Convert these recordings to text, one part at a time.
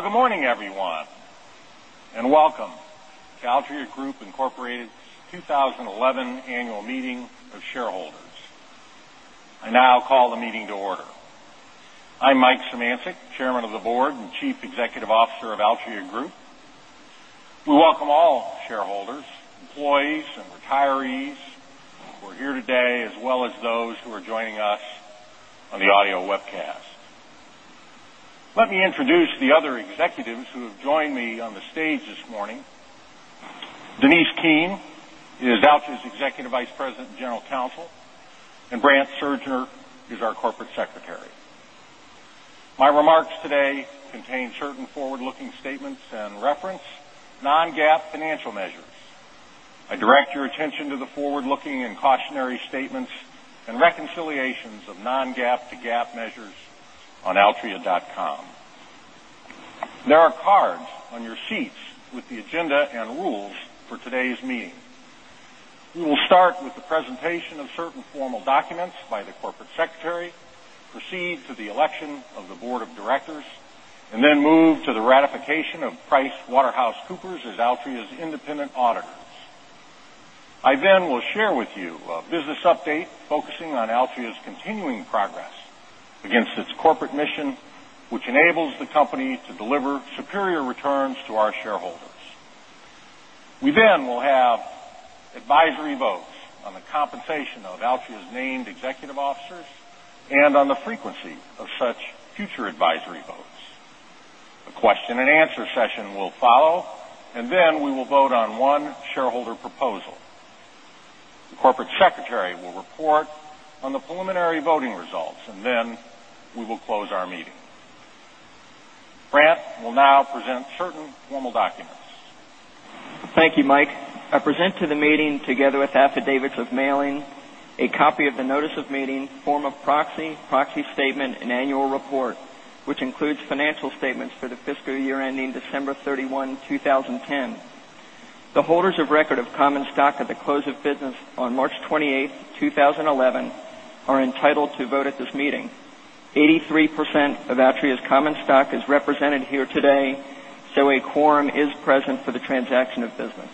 Good morning, everyone, and welcome to Altria Group, Inc.'s 2011 Annual Meeting of Shareholders. I now call the meeting to order. I'm Mike Szymanczyk, Chairman of the Board and Chief Executive Officer of Altria Group. We welcome all shareholders, employees, and retirees who are here today, as well as those who are joining us on the audio webcast. Let me introduce the other executives who have joined me on the stage this morning. Denise Keane is Altria's Executive Vice President and General Counsel, and Brandt Surgner is our Corporate Secretary. My remarks today contain certain forward-looking statements and reference non-GAAP financial measures. I direct your attention to the forward-looking and cautionary statements and reconciliations of non-GAAP to GAAP measures on altria.com. There are cards on your seats with the agenda and rules for today's meeting. We will start with the presentation of certain formal documents by the Corporate Secretary, proceed to the election of the Board of Directors, and then move to the ratification of PricewaterhouseCoopers as Altria's independent auditors. I then will share with you a business update focusing on Altria's continuing progress against its corporate mission, which enables the company to deliver superior returns to our shareholders. We then will have advisory votes on the compensation of Altria's named executive officers and on the frequency of such future advisory votes. A question and answer session will follow, and then we will vote on one shareholder proposal. The Corporate Secretary will report on the preliminary voting results, and then we will close our meeting. Brandt will now present certain formal documents. Thank you, Mike. I present to the meeting, together with affidavits of mailing, a copy of the notice of meeting, form of proxy, proxy statement, and annual report, which includes financial statements for the fiscal year ending December 31, 2010. The holders of record of common stock at the close of business on March 28, 2011, are entitled to vote at this meeting. 83% of Altria's common stock is represented here today, so a quorum is present for the transaction of business.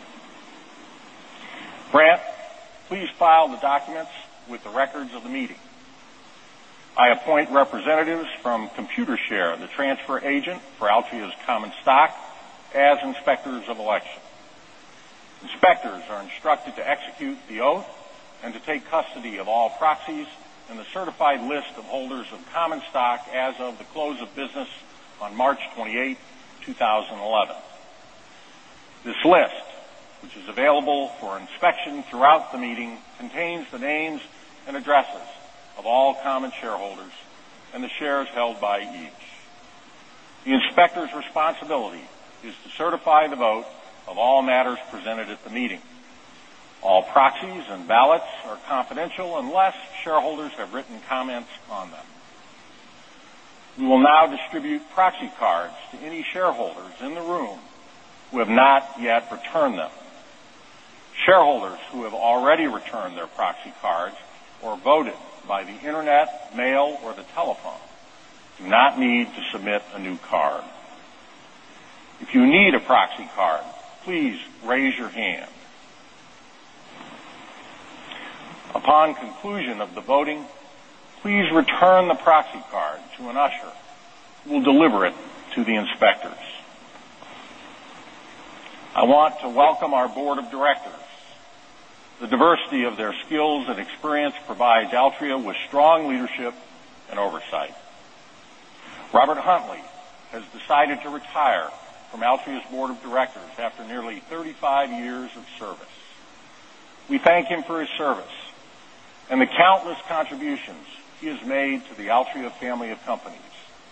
Brandt, please file the documents with the records of the meeting. I appoint representatives from Computershare, the transfer agent for Altria's common stock, as inspectors of election. Inspectors are instructed to execute the oath and to take custody of all proxies in the certified list of holders of common stock as of the close of business on March 28, 2011. This list, which is available for inspection throughout the meeting, contains the names and addresses of all common shareholders and the shares held by each. The inspector's responsibility is to certify the vote of all matters presented at the meeting. All proxies and ballots are confidential unless shareholders have written comments on them. We will now distribute proxy cards to any shareholders in the room who have not yet returned them. Shareholders who have already returned their proxy cards or voted by the internet, mail, or the telephone do not need to submit a new card. If you need a proxy card, please raise your hand. Upon conclusion of the voting, please return the proxy card to an usher who will deliver it to the inspectors. I want to welcome our Board of Directors. The diversity of their skills and experience provides Altria with strong leadership and oversight. Robert Huntley has decided to retire from Altria's Board of Directors after nearly 35 years of service. We thank him for his service and the countless contributions he has made to the Altria family of companies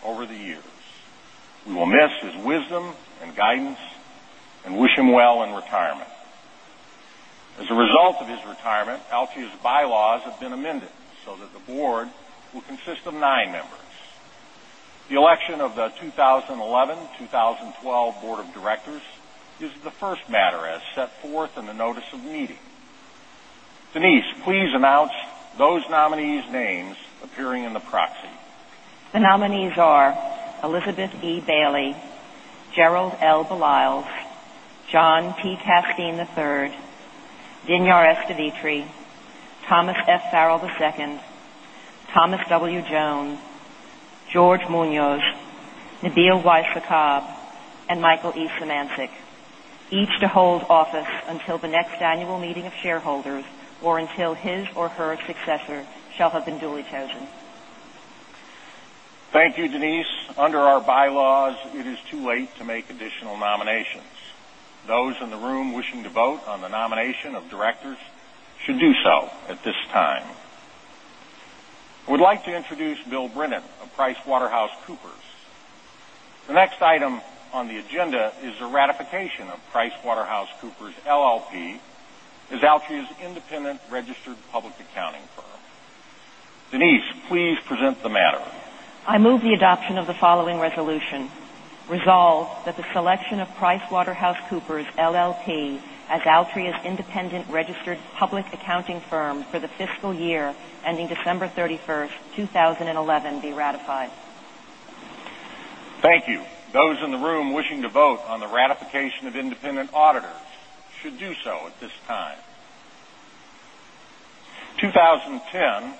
over the years. We will miss his wisdom and guidance and wish him well in retirement. As a result of his retirement, Altria's bylaws have been amended so that the board will consist of nine members. The election of the 2011-2012 Board of Directors is the first matter as set forth in the notice of meeting. Denise, please announce those nominees' names appearing in the proxy. The nominees are Elizabeth E. Bailey, Gerald L. Baliles, John P. Casteen III, Dinyar S. Devitre, Thomas F. Farrell II, Thomas W. Jones, George Muñoz, Nabil Y. Sakkab, and Michael E. Szymanczyk, each to hold office until the next annual meeting of shareholders or until his or her successor shall have been duly chosen. Thank you, Denise. Under our bylaws, it is too late to make additional nominations. Those in the room wishing to vote on the nomination of directors should do so at this time. I would like to introduce Bill Brennan of PricewaterhouseCoopers. The next item on the agenda is the ratification of PricewaterhouseCoopers LLP as Altria's independent registered public accounting firm. Denise, please present the matter. I move the adoption of the following resolution: Resolved, that the selection of PricewaterhouseCoopers LLP as Altria's independent registered public accounting firm for the fiscal year ending December 31st, 2011, be ratified. Thank you. Those in the room wishing to vote on the ratification of independent auditors should do so at this time. 2010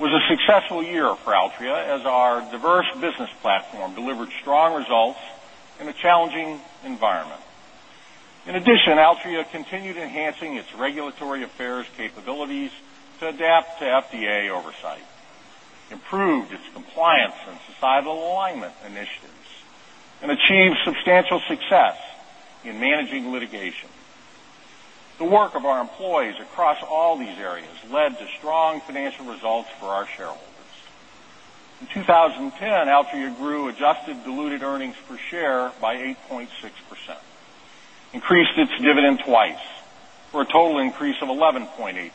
was a successful year for Altria as our diverse business platform delivered strong results in a challenging environment. In addition, Altria continued enhancing its regulatory affairs capabilities to adapt to FDA regulation, improved its compliance and societal alignment initiatives, and achieved substantial success in managing litigation. The work of our employees across all these areas led to strong financial results for our shareholders. In 2010, Altria grew adjusted diluted earnings per share by 8.6%, increased its dividend twice for a total increase of 11.8%,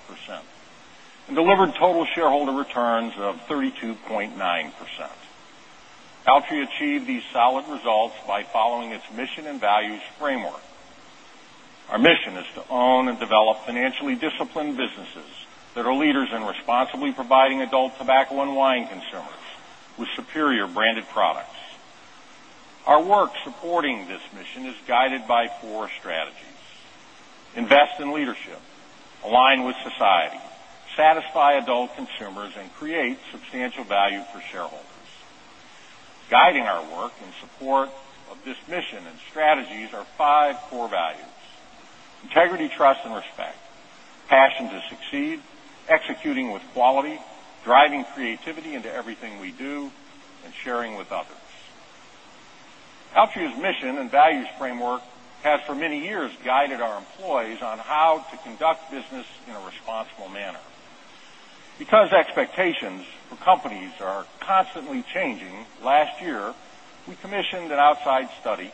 and delivered total shareholder returns of 32.9%. Altria achieved these solid results by following its mission and values framework. Our mission is to own and develop financially disciplined businesses that are leaders in responsibly providing adult tobacco and wine consumers with superior branded products. Our work supporting this mission is guided by four strategies: invest in leadership, align with society, satisfy adult consumers, and create substantial value for shareholders. Guiding our work in support of this mission and strategies are five core values: integrity, trust, and respect; passion to succeed; executing with quality; driving creativity into everything we do; and sharing with others. Altria's mission and values framework have for many years guided our employees on how to conduct business in a responsible manner. Because expectations for companies are constantly changing, last year we commissioned an outside study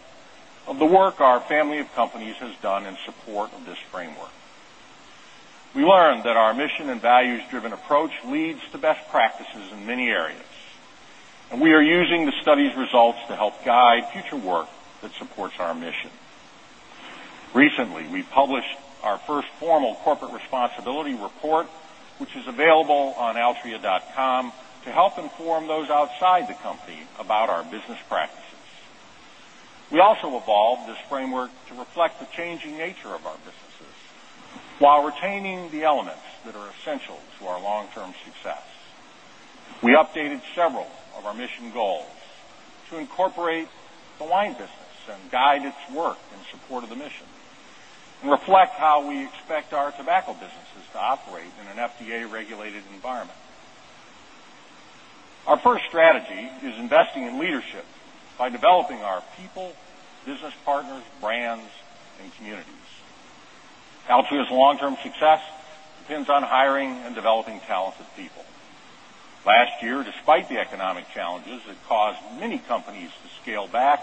of the work our family of companies has done in support of this framework. We learned that our mission and values-driven approach leads to best practices in many areas, and we are using the study's results to help guide future work that supports our mission. Recently, we published our first formal corporate responsibility report, which is available on altria.com, to help inform those outside the company about our business practices. We also evolved this framework to reflect the changing nature of our businesses while retaining the elements that are essential to our long-term success. We updated several of our mission goals to incorporate the wine business and guide its work in support of the mission and reflect how we expect our tobacco businesses to operate in an FDA-regulated environment. Our first strategy is investing in leadership by developing our people, business partners, brands, and communities. Altria's long-term success depends on hiring and developing talented people. Last year, despite the economic challenges that caused many companies to scale back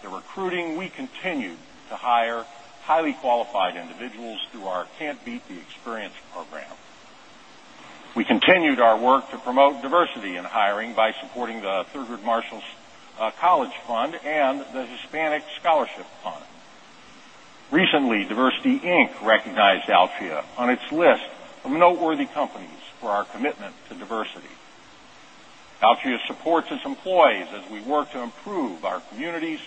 their recruiting, we continued to hire highly qualified individuals through our Can't Beat the Experience program. We continued our work to promote diversity in hiring by supporting the Thurgood Marshall College Fund and the Hispanic Scholarship Fund. Recently, Diversity Inc. recognized Altria on its list of noteworthy companies for our commitment to diversity. Altria supports its employees as we work to improve our communities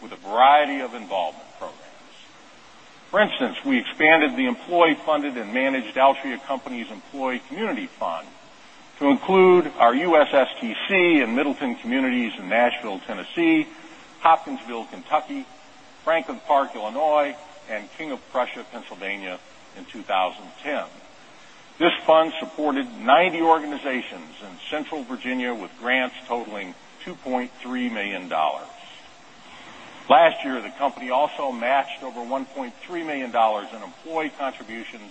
with a variety of involvement programs. For instance, we expanded the employee-funded and managed Altria Companies Employee Community Fund to include our USSTC in Middleton communities in Nashville, Tennessee, Hopkinsville, Kentucky, Franklin Park, Illinois, and King of Prussia, Pennsylvania in 2010. This fund supported 90 organizations in Central Virginia with grants totaling $2.3 million. Last year, the company also matched over $1.3 million in employee contributions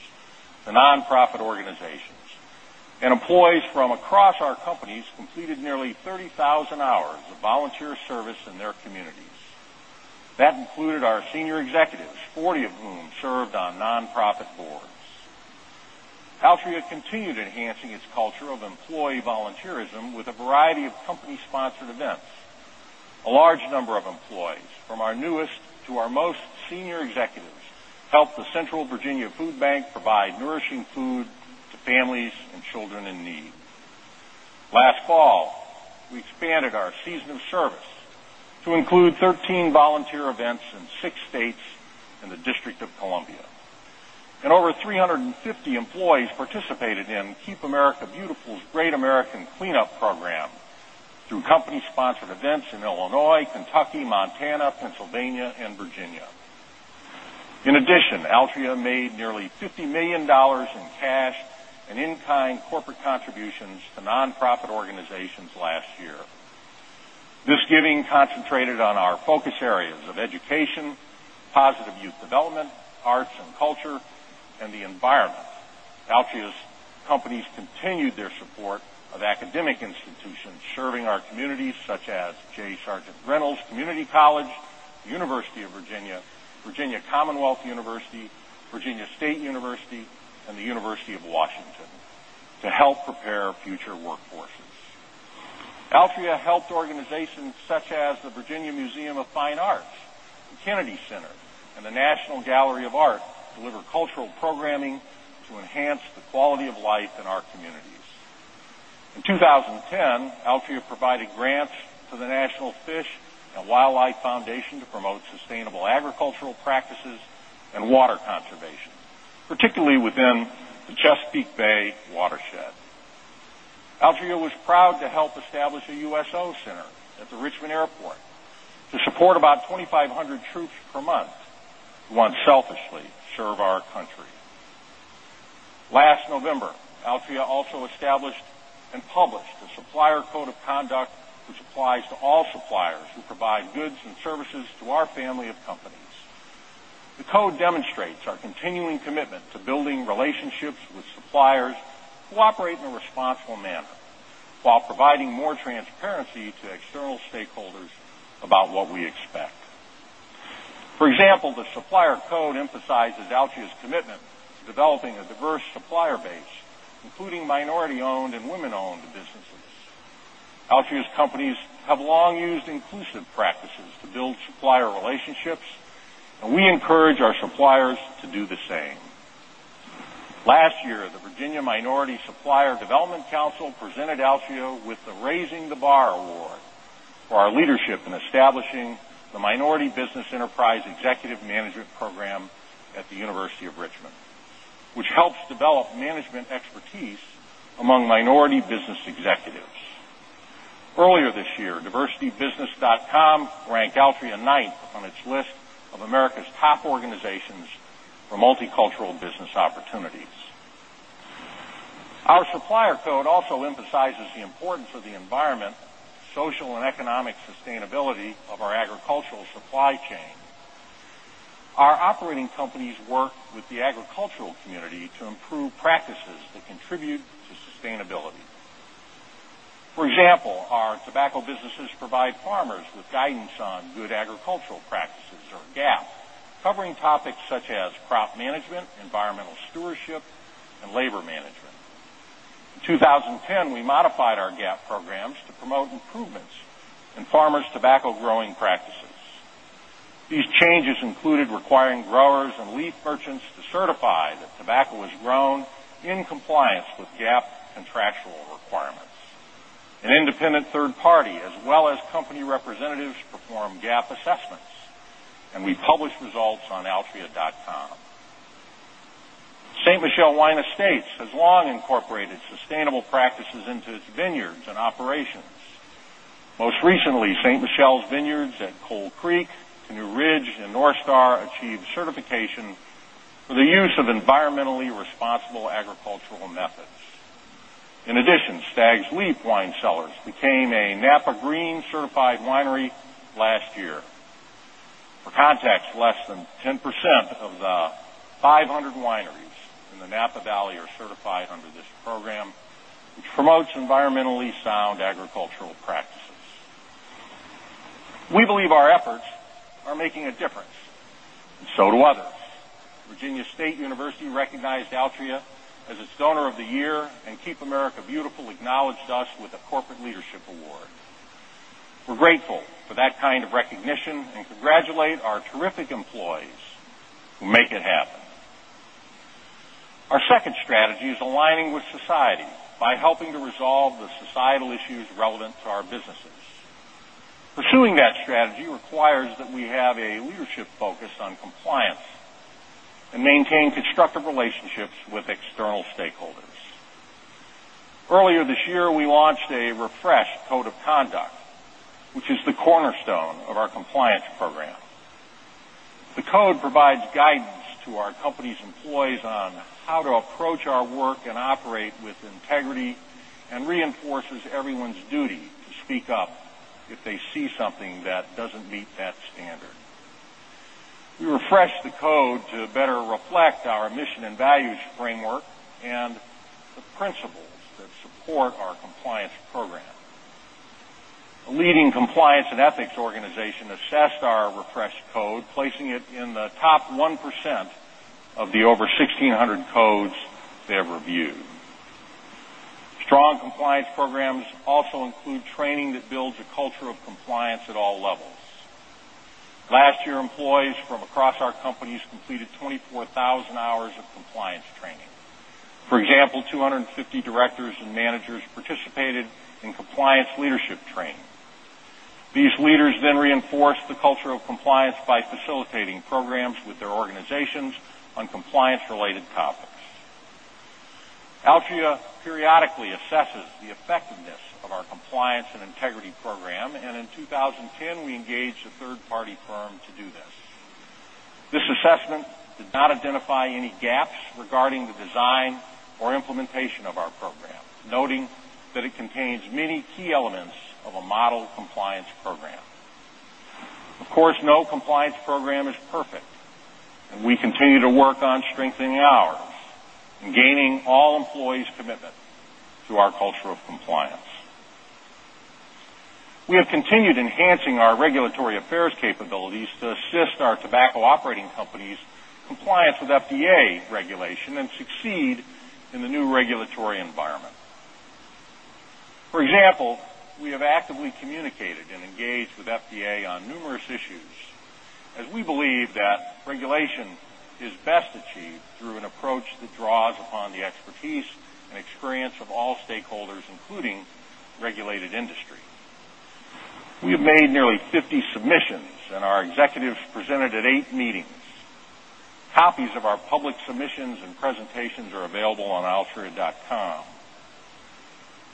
to nonprofit organizations, and employees from across our companies completed nearly 30,000 hours of volunteer service in their communities. That included our senior executives, 40 of whom served on nonprofit boards. Altria continued enhancing its culture of employee volunteerism with a variety of company-sponsored events. A large number of employees, from our newest to our most senior executives, helped the Central Virginia Food Bank provide nourishing food to families and children in need. Last fall, we expanded our season of service to include 13 volunteer events in six states and the District of Columbia. Over 350 employees participated in Keep America Beautiful's Great American Cleanup program through company-sponsored events in Illinois, Kentucky, Montana, Pennsylvania, and Virginia. In addition, Altria made nearly $50 million in cash and in-kind corporate contributions to nonprofit organizations last year. This giving concentrated on our focus areas of education, positive youth development, arts and culture, and the environment. Altria's companies continued their support of academic institutions serving our communities, such as J. Sargeant Reynolds Community College, the University of Virginia, Virginia Commonwealth University, Virginia State University, and the University of Washington, to help prepare future workforces. Altria helped organizations such as the Virginia Museum of Fine Arts, the Kennedy Center, and the National Gallery of Art deliver cultural programming to enhance the quality of life in our communities. In 2010, Altria provided grants to the National Fish and Wildlife Foundation to promote sustainable agricultural practices and water conservation, particularly within the Chesapeake Bay watershed. Altria was proud to help establish a USO Center at the Richmond Airport to support about 2,500 troops per month who unselfishly serve our country. Last November, Altria also established and published a supplier code of conduct which applies to all suppliers who provide goods and services to our family of companies. The code demonstrates our continuing commitment to building relationships with suppliers who operate in a responsible manner while providing more transparency to external stakeholders about what we expect. For example, the supplier code emphasizes Altria's commitment to developing a diverse supplier base, including minority-owned and women-owned businesses. Altria's companies have long used inclusive practices to build supplier relationships, and we encourage our suppliers to do the same. Last year, the Virginia Minority Supplier Development Council presented Altria with the Raising the Bar Award for our leadership in establishing the Minority Business Enterprise Executive Management Program at the University of Richmond, which helps develop management expertise among minority business executives. Earlier this year, diversitybusiness.com ranked Altria ninth on its list of America's top organizations for multicultural business opportunities. Our supplier code also emphasizes the importance of the environment, social, and economic sustainability of our agricultural supply chain. Our operating companies work with the agricultural community to improve practices that contribute to sustainability. For example, our tobacco businesses provide farmers with guidance on good agricultural practices, or GAP, covering topics such as crop management, environmental stewardship, and labor management. In 2010, we modified our GAP programs to promote improvements in farmers' tobacco-growing practices. These changes included requiring growers and leaf merchants to certify that tobacco was grown in compliance with GAP contractual requirements. An independent third party, as well as company representatives, performed GAP assessments, and we published results on altria.com. Ste. Michelle Wine Estates has long incorporated sustainable practices into its vineyards and operations. Most recently, Ste. Michelle's Vineyards at Coal Creek, Canoe Ridge, and North Star achieved certification for the use of environmentally responsible agricultural methods. In addition, Stag's Leap Wine Cellars became a Napa Green Certified winery last year. For context, less than 10% of the 500 wineries in the Napa Valley are certified under this program, which promotes environmentally sound agricultural practices. We believe our efforts are making a difference, so do others. Virginia State University recognized Altria as its Donor of the Year and Keep America Beautiful acknowledged us with a Corporate Leadership Award. We're grateful for that kind of recognition and congratulate our terrific employees who make it happen. Our second strategy is aligning with society by helping to resolve the societal issues relevant to our businesses. Pursuing that strategy requires that we have a leadership focus on compliance and maintain constructive relationships with external stakeholders. Earlier this year, we launched a refreshed code of conduct, which is the cornerstone of our compliance program. The code provides guidance to our company's employees on how to approach our work and operate with integrity and reinforces everyone's duty to speak up if they see something that doesn't meet that standard. We refreshed the code to better reflect our mission and values framework and the principles that support our compliance program. A leading compliance and ethics organization assessed our refreshed code, placing it in the top 1% of the over 1,600 codes they have reviewed. Strong compliance programs also include training that builds a culture of compliance at all levels. Last year, employees from across our companies completed 24,000 hours of compliance training. For example, 250 directors and managers participated in compliance leadership training. These leaders then reinforced the culture of compliance by facilitating programs with their organizations on compliance-related topics. Altria periodically assesses the effectiveness of our compliance and integrity program, and in 2010, we engaged a third-party firm to do this. This assessment did not identify any gaps regarding the design or implementation of our program, noting that it contains many key elements of a model compliance program. Of course, no compliance program is perfect, and we continue to work on strengthening ours and gaining all employees' commitment to our culture of compliance. We have continued enhancing our regulatory affairs capabilities to assist our tobacco operating companies' compliance with FDA regulation and succeed in the new regulatory environment. For example, we have actively communicated and engaged with the FDA on numerous issues as we believe that regulation is best achieved through an approach that draws upon the expertise and experience of all stakeholders, including the regulated industry. We have made nearly 50 submissions, and our executives presented at eight meetings. Copies of our public submissions and presentations are available on altria.com.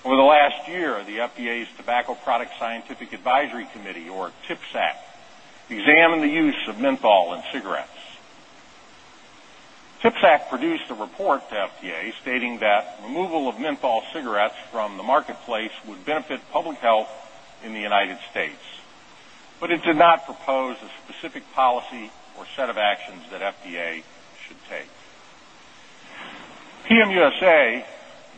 Over the last year, the FDA's Tobacco Product Scientific Advisory Committee, or TPSAC, examined the use of menthol in cigarettes. TPSAC produced a report to the FDA stating that removal of menthol cigarettes from the marketplace would benefit public health in the United States, but it did not propose a specific policy or set of actions that the FDA should take. PM USA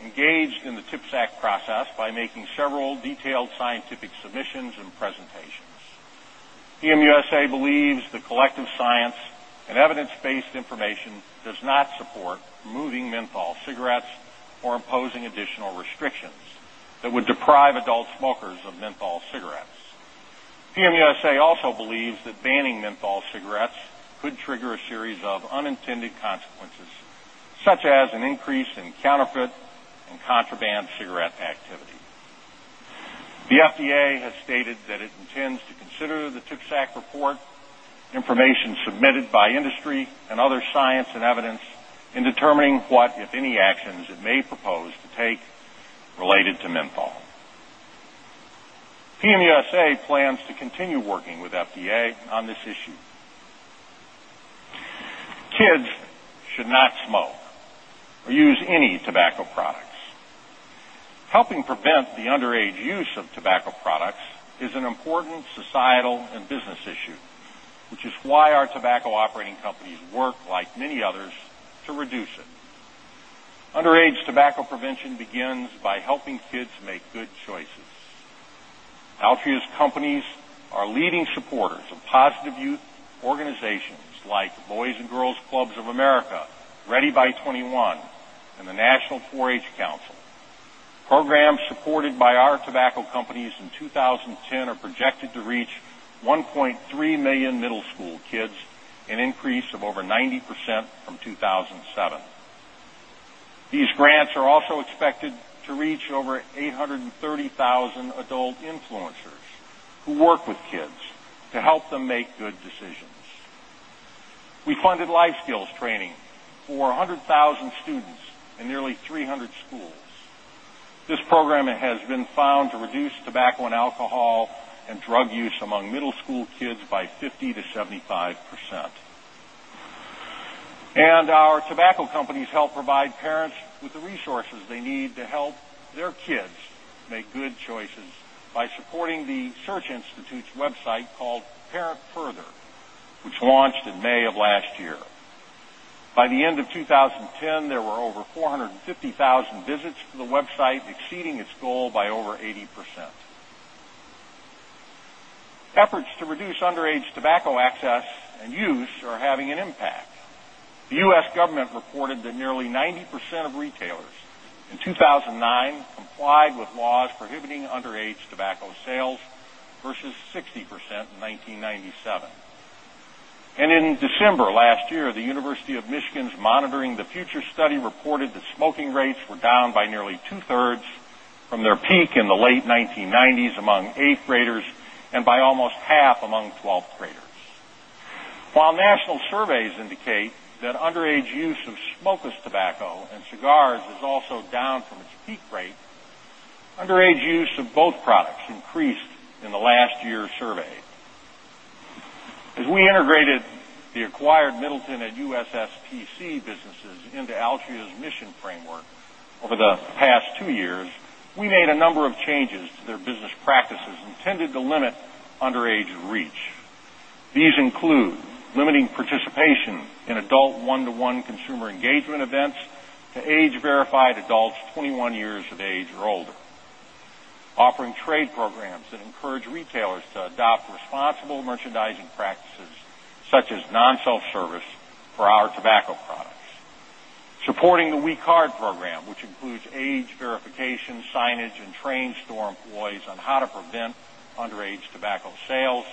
engaged in the TPSAC process by making several detailed scientific submissions and presentations. PM USA believes the collective science and evidence-based information do not support moving menthol cigarettes or imposing additional restrictions that would deprive adult smokers of menthol cigarettes. PM USA also believes that banning menthol cigarettes could trigger a series of unintended consequences, such as an increase in counterfeit and contraband cigarette activity. The FDA has stated that it intends to consider the TPSAC report, information submitted by industry, and other science and evidence in determining what, if any, actions it may propose to take related to menthol. PM USA plans to continue working with the FDA on this issue. Kids should not smoke or use any tobacco products. Helping prevent the underage use of tobacco products is an important societal and business issue, which is why our tobacco operating companies work like many others to reduce it. Underage tobacco prevention begins by helping kids make good choices. Altria's companies are leading supporters of positive youth organizations like Boys & Girls Clubs of America, Ready by 21, and the National 4-H Council. Programs supported by our tobacco companies in 2010 are projected to reach 1.3 million middle school kids, an increase of over 90% from 2007. These grants are also expected to reach over 830,000 adult influencers who work with kids to help them make good decisions. We funded life skills training for 100,000 students in nearly 300 schools. This program has been found to reduce tobacco and alcohol and drug use among middle school kids by 50% to 75%. Our tobacco companies help provide parents with the resources they need to help their kids make good choices by supporting the Search Institute's website called ParentFurther, which launched in May of last year. By the end of 2010, there were over 450,000 visits to the website, exceeding its goal by over 80%. Efforts to reduce underage tobacco access and use are having an impact. The U.S. government reported that nearly 90% of retailers in 2009 complied with laws prohibiting underage tobacco sales versus 60% in 1997. In December last year, the University of Michigan's Monitoring the Future study reported that smoking rates were down by nearly two-thirds from their peak in the late 1990s among eighth graders and by almost half among 12th graders. While national surveys indicate that underage use of smokeless tobacco and cigars is also down from its peak rate, underage use of both products increased in the last year surveyed. As we integrated the acquired Middleton and USSTC businesses into Altria's mission framework over the past two years, we made a number of changes to their business practices intended to limit underage reach. These include limiting participation in adult one-to-one consumer engagement events to age-verified adults 21 years of age or older, offering trade programs that encourage retailers to adopt responsible merchandising practices such as non-self-service for our tobacco products, supporting The We Card Program, which includes age verification signage and training store employees on how to prevent underage tobacco sales,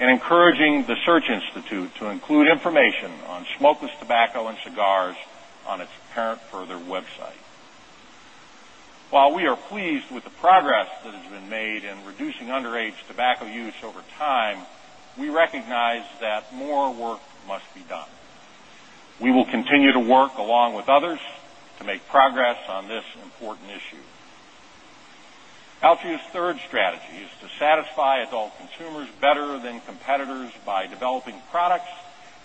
and encouraging the Search Institute to include information on smokeless tobacco and cigars on its ParentFurther website. While we are pleased with the progress that has been made in reducing underage tobacco use over time, we recognize that more work must be done. We will continue to work along with others to make progress on this important issue. Altria's third strategy is to satisfy adult consumers better than competitors by developing products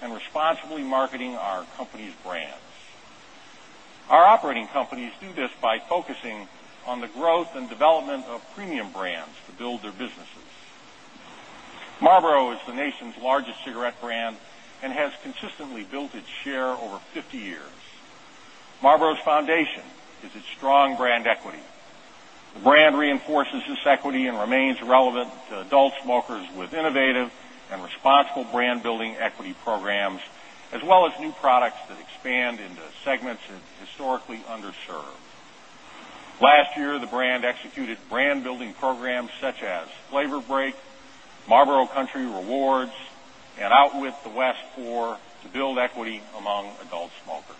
and responsibly marketing our company's brands. Our operating companies do this by focusing on the growth and development of premium brands to build their businesses. Marlboro is the nation's largest cigarette brand and has consistently built its share over 50 years. Marlboro's foundation is its strong brand equity. The brand reinforces this equity and remains relevant to adult smokers with innovative and responsible brand-building equity programs, as well as new products that expand into segments historically underserved. Last year, the brand executed brand-building programs such as Flavor Break, Marlboro Country Rewards, and Outwit the West 4 to build equity among adult smokers.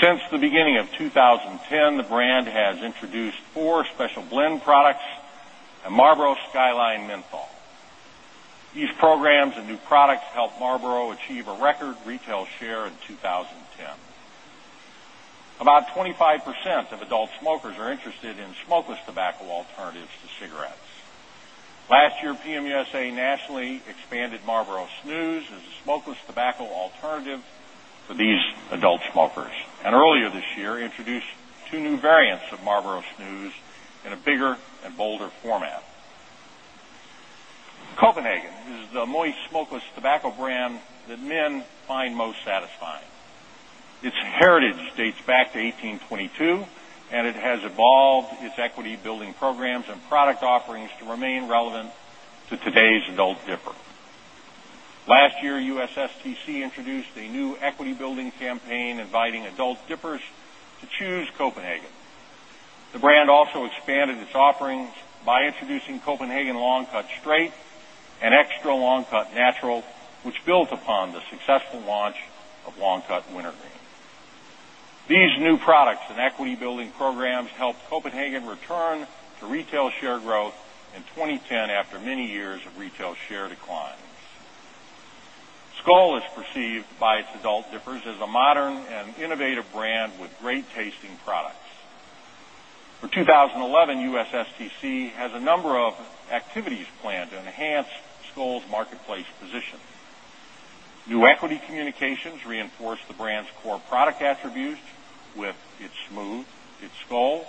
Since the beginning of 2010, the brand has introduced four Special Blend products and Marlboro Skyline Menthol. These programs and new products helped Marlboro achieve a record retail share in 2010. About 25% of adult smokers are interested in smokeless tobacco alternatives to cigarettes. Last year, PM USA nationally expanded Marlboro Snus as a smokeless tobacco alternative for these adult smokers, and earlier this year, introduced two new variants of Marlboro Snus in a bigger and bolder format. Copenhagen is the smokeless tobacco brand that men find most satisfying. Its heritage dates back to 1822, and it has evolved its equity-building programs and product offerings to remain relevant to today's adult dipper. Last year, USSTC introduced a new equity-building campaign inviting adult dippers to choose Copenhagen. The brand also expanded its offerings by introducing Copenhagen Long Cut Straight and Extra Long Cut Natural, which built upon the successful launch of Long Cut Wintergreen. These new products and equity-building programs helped Copenhagen return to retail share growth in 2010 after many years of retail share declines. Skoal is perceived by its adult dippers as a modern and innovative brand with great tasting products. For 2011, USSTC has a number of activities planned to enhance Skoal's marketplace position. New equity communications reinforce the brand's core product attributes with its smooth, it's Skoal,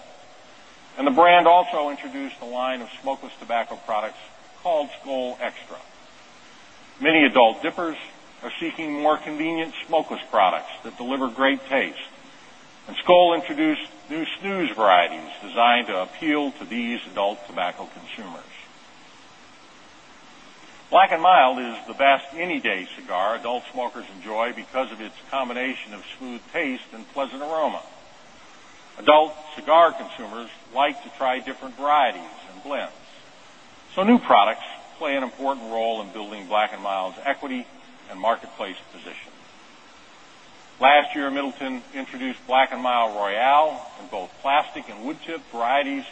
and the brand also introduced a line of smokeless tobacco products called Skoal X-TRA. Many adult dippers are seeking more convenient smokeless products that deliver great taste, and Skoal introduced new snus varieties designed to appeal to these adult tobacco consumers. Black & Mild is the best any-day cigar adult smokers enjoy because of its combination of smooth taste and pleasant aroma. Adult cigar consumers like to try different varieties and blends, so new products play an important role in building Black & Mild's equity and marketplace position. Last year, Middleton introduced Black & Mild Royale in both plastic and wood-tipped varieties,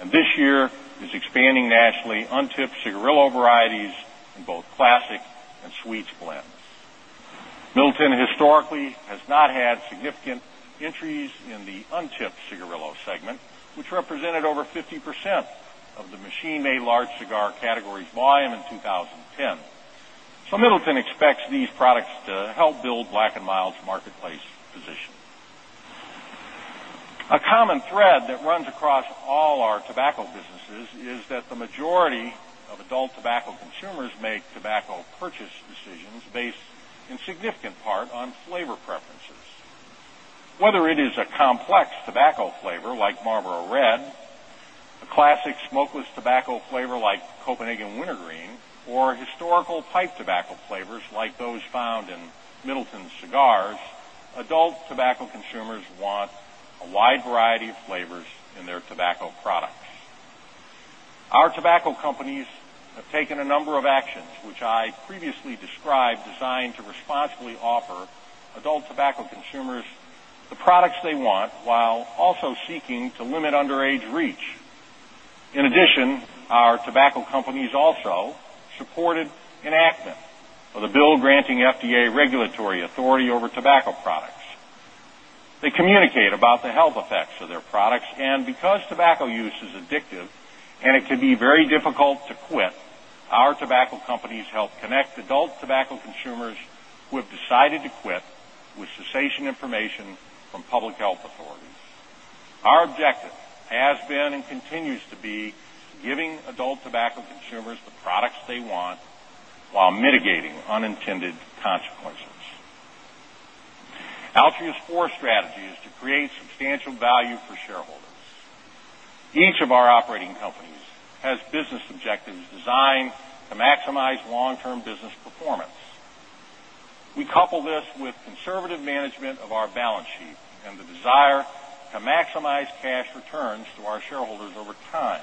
and this year is expanding nationally untipped cigarillo varieties in both classic and sweets blends. Middleton historically has not had significant entries in the untipped cigarillo segment, which represented over 50% of the machine-made large cigar category's volume in 2010. Middleton expects these products to help build Black & Mild's marketplace position. A common thread that runs across all our tobacco businesses is that the majority of adult tobacco consumers make tobacco purchase decisions based in significant part on flavor preferences. Whether it is a complex tobacco flavor like Marlboro Red, a classic smokeless tobacco flavor like Copenhagen Wintergreen, or historical pipe tobacco flavors like those found in Middleton cigars, adult tobacco consumers want a wide variety of flavors in their tobacco products. Our tobacco companies have taken a number of actions, which I previously described, designed to responsibly offer adult tobacco consumers the products they want while also seeking to limit underage reach. In addition, our tobacco companies also supported enactment of the bill granting FDA regulatory authority over tobacco products. They communicate about the health effects of their products, and because tobacco use is addictive and it can be very difficult to quit, our tobacco companies help connect adult tobacco consumers who have decided to quit with cessation information from public health authorities. Our objective has been and continues to be giving adult tobacco consumers the products they want while mitigating unintended consequences. Altria's fourth strategy is to create substantial value for shareholders. Each of our operating companies has business objectives designed to maximize long-term business performance. We couple this with conservative management of our balance sheet and the desire to maximize cash returns to our shareholders over time.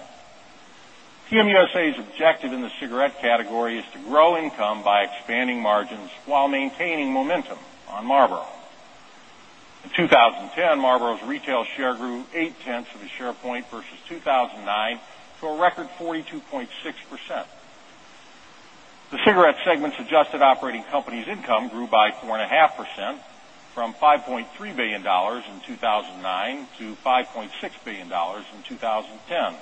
PM USA's objective in the cigarette category is to grow income by expanding margins while maintaining momentum on Marlboro. In 2010, Marlboro's retail share grew 0.8 of a share point versus 2009 to a record 42.6%. The cigarette segment's adjusted operating company's income grew by 4.5% from $5.3 billion in 2009 to $5.6 billion in 2010.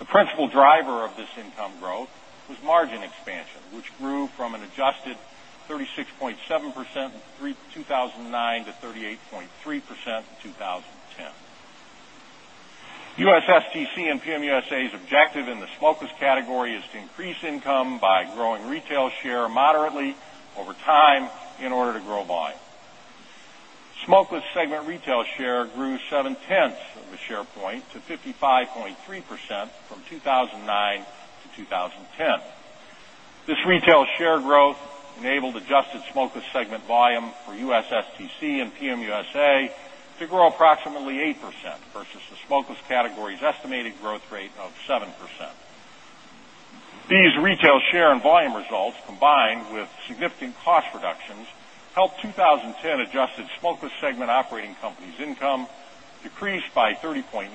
The principal driver of this income growth was margin expansion, which grew from an adjusted 36.7% in 2009 to 38.3% in 2010. USSTC and PM USA's objective in the smokeless category is to increase income by growing retail share moderately over time in order to grow volume. Smokeless segment retail share grew 0.7 of a share point to 55.3% from 2009 to 2010. This retail share growth enabled adjusted smokeless segment volume for USSTC and PM USA to grow approximately 8% versus the smokeless category's estimated growth rate of 7%. These retail share and volume results, combined with significant cost reductions, helped 2010 adjusted smokeless segment operating company's income decrease by 30.9%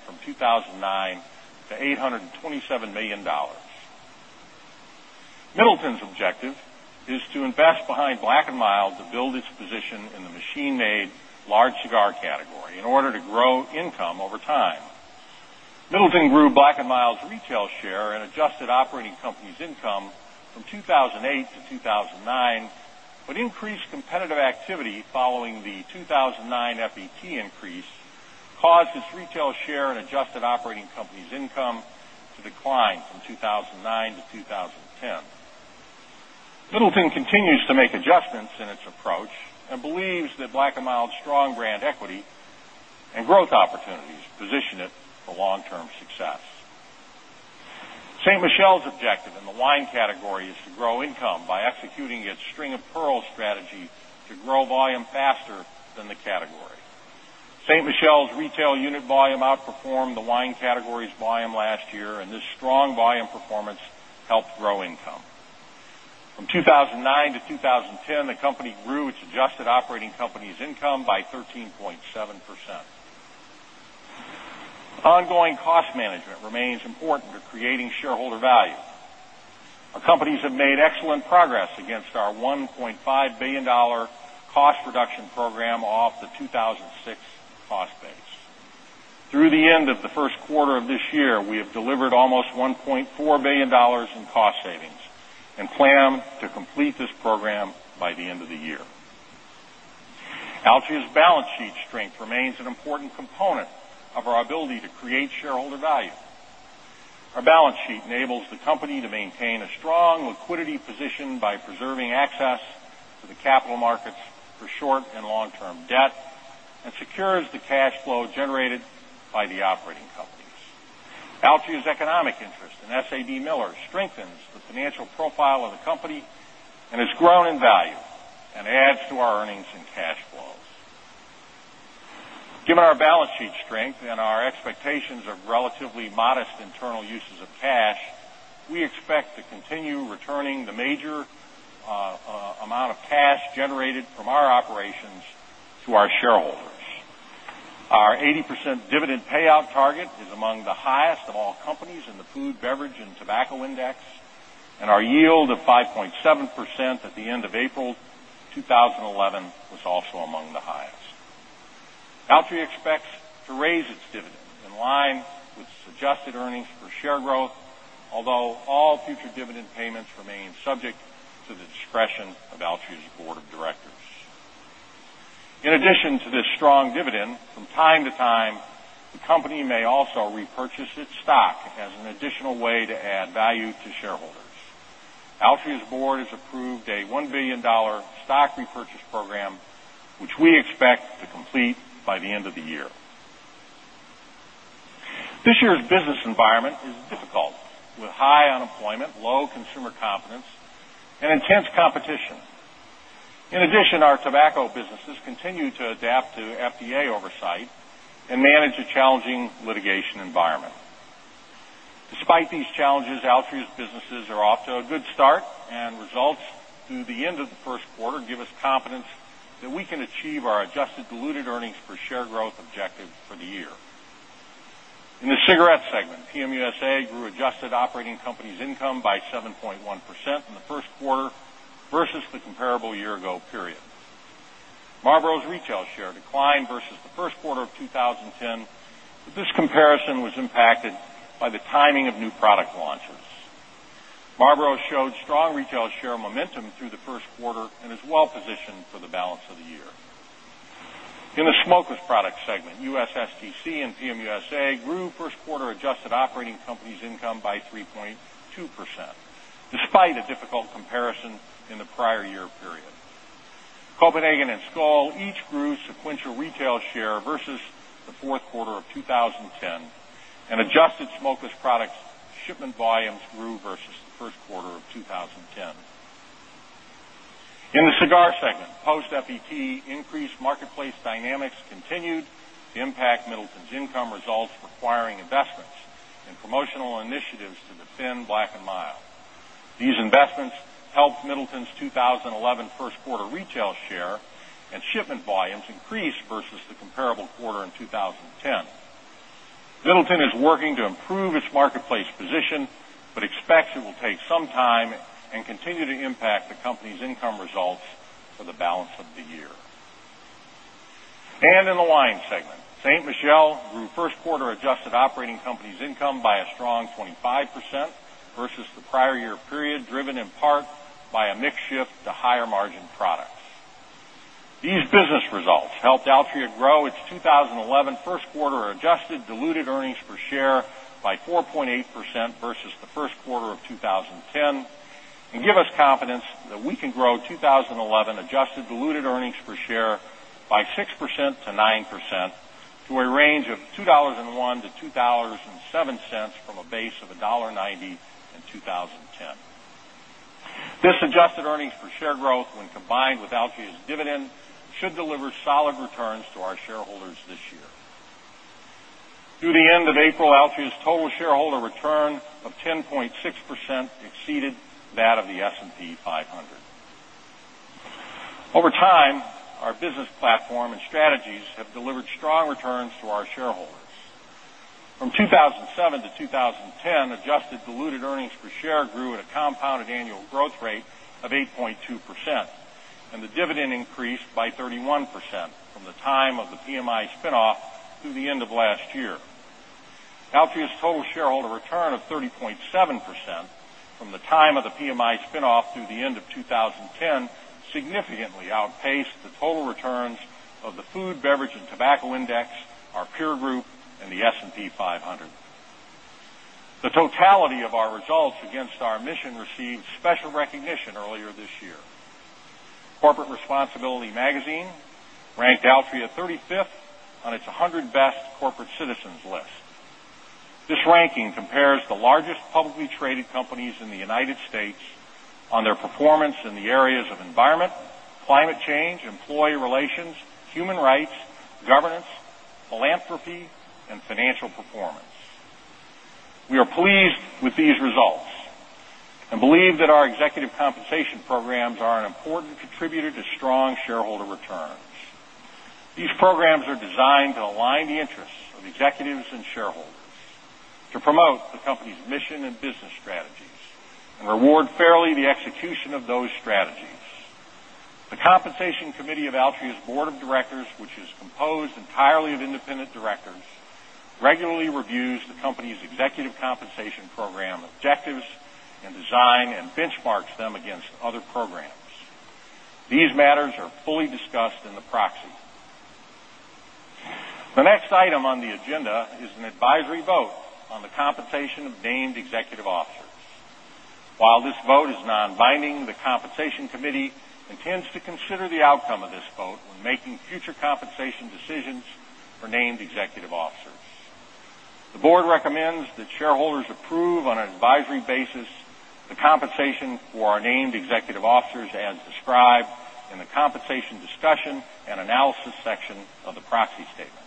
from 2009 to $827 million. Middleton's objective is to invest behind Black & Mild to build its position in the machine-made large cigar category in order to grow income over time. Middleton grew Black & Mild's retail share and adjusted operating company's income from 2008 to 2009, but increased competitive activity following the 2009 FET increase caused its retail share and adjusted operating company's income to decline from 2009 to 2010. Middleton continues to make adjustments in its approach and believes that Black & Mild's strong brand equity and growth opportunities position it for long-term success. Ste. Michelle's objective in the wine category is to grow income by executing its String of Pearls strategy to grow volume faster than the category. Ste. Michelle's retail unit volume outperformed the wine category's volume last year, and this strong volume performance helped grow income. From 2009 to 2010, the company grew its adjusted operating company's income by 13.7%. Ongoing cost management remains important to creating shareholder value. Our companies have made excellent progress against our $1.5 billion cost reduction program off the 2006 cost base. Through the end of the first quarter of this year, we have delivered almost $1.4 billion in cost savings and plan to complete this program by the end of the year. Altria's balance sheet strength remains an important component of our ability to create shareholder value. Our balance sheet enables the company to maintain a strong liquidity position by preserving access to the capital markets for short and long-term debt and secures the cash flow generated by the operating companies. Altria's economic interest in SABMiller strengthens the financial profile of the company and has grown in value and adds to our earnings and cash flows. Given our balance sheet strength and our expectations of relatively modest internal uses of cash, we expect to continue returning the major amount of cash generated from our operations to our shareholders. Our 80% dividend payout target is among the highest of all companies in the Food, Beverage, and Tobacco Index, and our yield of 5.7% at the end of April 2011 was also among the highest. Altria expects to raise its dividend in line with suggested earnings per share growth, although all future dividend payments remain subject to the discretion of Altria's Board of Directors. In addition to this strong dividend, from time to time, the company may also repurchase its stock as an additional way to add value to shareholders. Altria's Board has approved a $1 billion stock repurchase program, which we expect to complete by the end of the year. This year's business environment is difficult with high unemployment, low consumer confidence, and intense competition. In addition, our tobacco businesses continue to adapt to FDA oversight and manage a challenging litigation environment. Despite these challenges, Altria's businesses are off to a good start, and results through the end of the first quarter give us confidence that we can achieve our adjusted diluted earnings per share growth objective for the year. In the cigarette segment, PM USA grew adjusted operating company's income by 7.1% in the first quarter versus the comparable year-ago period. Marlboro's retail share declined versus the first quarter of 2010, but this comparison was impacted by the timing of new product launches. Marlboro showed strong retail share momentum through the first quarter and is well positioned for the balance of the year. In the smokeless product segment, USSTC and PM USA grew first quarter adjusted operating company's income by 3.2% despite a difficult comparison in the prior year period. Copenhagen and Skoal each grew sequential retail share versus the fourth quarter of 2010, and adjusted smokeless products' shipment volumes grew versus the first quarter of 2010. In the cigar segment, post-FET increased marketplace dynamics continued to impact Middleton's income results, requiring investments in promotional initiatives to defend Black & Mild. These investments helped Middleton's 2011 first quarter retail share and shipment volumes increase versus the comparable quarter in 2010. Middleton is working to improve its marketplace position but expects it will take some time and continue to impact the company's income results for the balance of the year. In the wine segment, Ste. Michelle grew first quarter adjusted operating company's income by a strong 25% versus the prior year period, driven in part by a mix shift to higher margin products. These business results helped Altria grow its 2011 first quarter adjusted diluted earnings per share by 4.8% versus the first quarter of 2010 and give us confidence that we can grow 2011 adjusted diluted earnings per share by 6% to 9% to a range of $2.01-$2.07 from a base of $1.90 in 2010. This adjusted earnings per share growth, when combined with Altria's dividend, should deliver solid returns to our shareholders this year. Through the end of April, Altria's total shareholder return of 10.6% exceeded that of the S&P 500. Over time, our business platform and strategies have delivered strong returns to our shareholders. From 2007 to 2010, adjusted diluted earnings per share grew at a compounded annual growth rate of 8.2%, and the dividend increased by 31% from the time of the PMI spin-off through the end of last year. Altria's total shareholder return of 30.7% from the time of the PMI spin-off through the end of 2010 significantly outpaced the total returns of the Food, Beverage, and Tobacco Index, our peer group, and the S&P 500. The totality of our results against our mission received special recognition earlier this year. Corporate Responsibility Magazine ranked Altria 35th on its 100 Best Corporate Citizens list. This ranking compares the largest publicly traded companies in the United States on their performance in the areas of environment, climate change, employee relations, human rights, governance, philanthropy, and financial performance. We are pleased with these results and believe that our executive compensation programs are an important contributor to strong shareholder returns. These programs are designed to align the interests of executives and shareholders to promote the company's mission and business strategies and reward fairly the execution of those strategies. The Compensation Committee of Altria's Board of Directors, which is composed entirely of independent directors, regularly reviews the company's executive compensation program objectives and designs and benchmarks them against other programs. These matters are fully discussed in the proxy. The next item on the agenda is an advisory vote on the compensation of named executive officers. While this vote is non-binding, the Compensation Committee intends to consider the outcome of this vote when making future compensation decisions for named executive officers. The Board recommends that shareholders approve on an advisory basis the compensation for our named executive officers as described in the compensation discussion and analysis section of the proxy statement.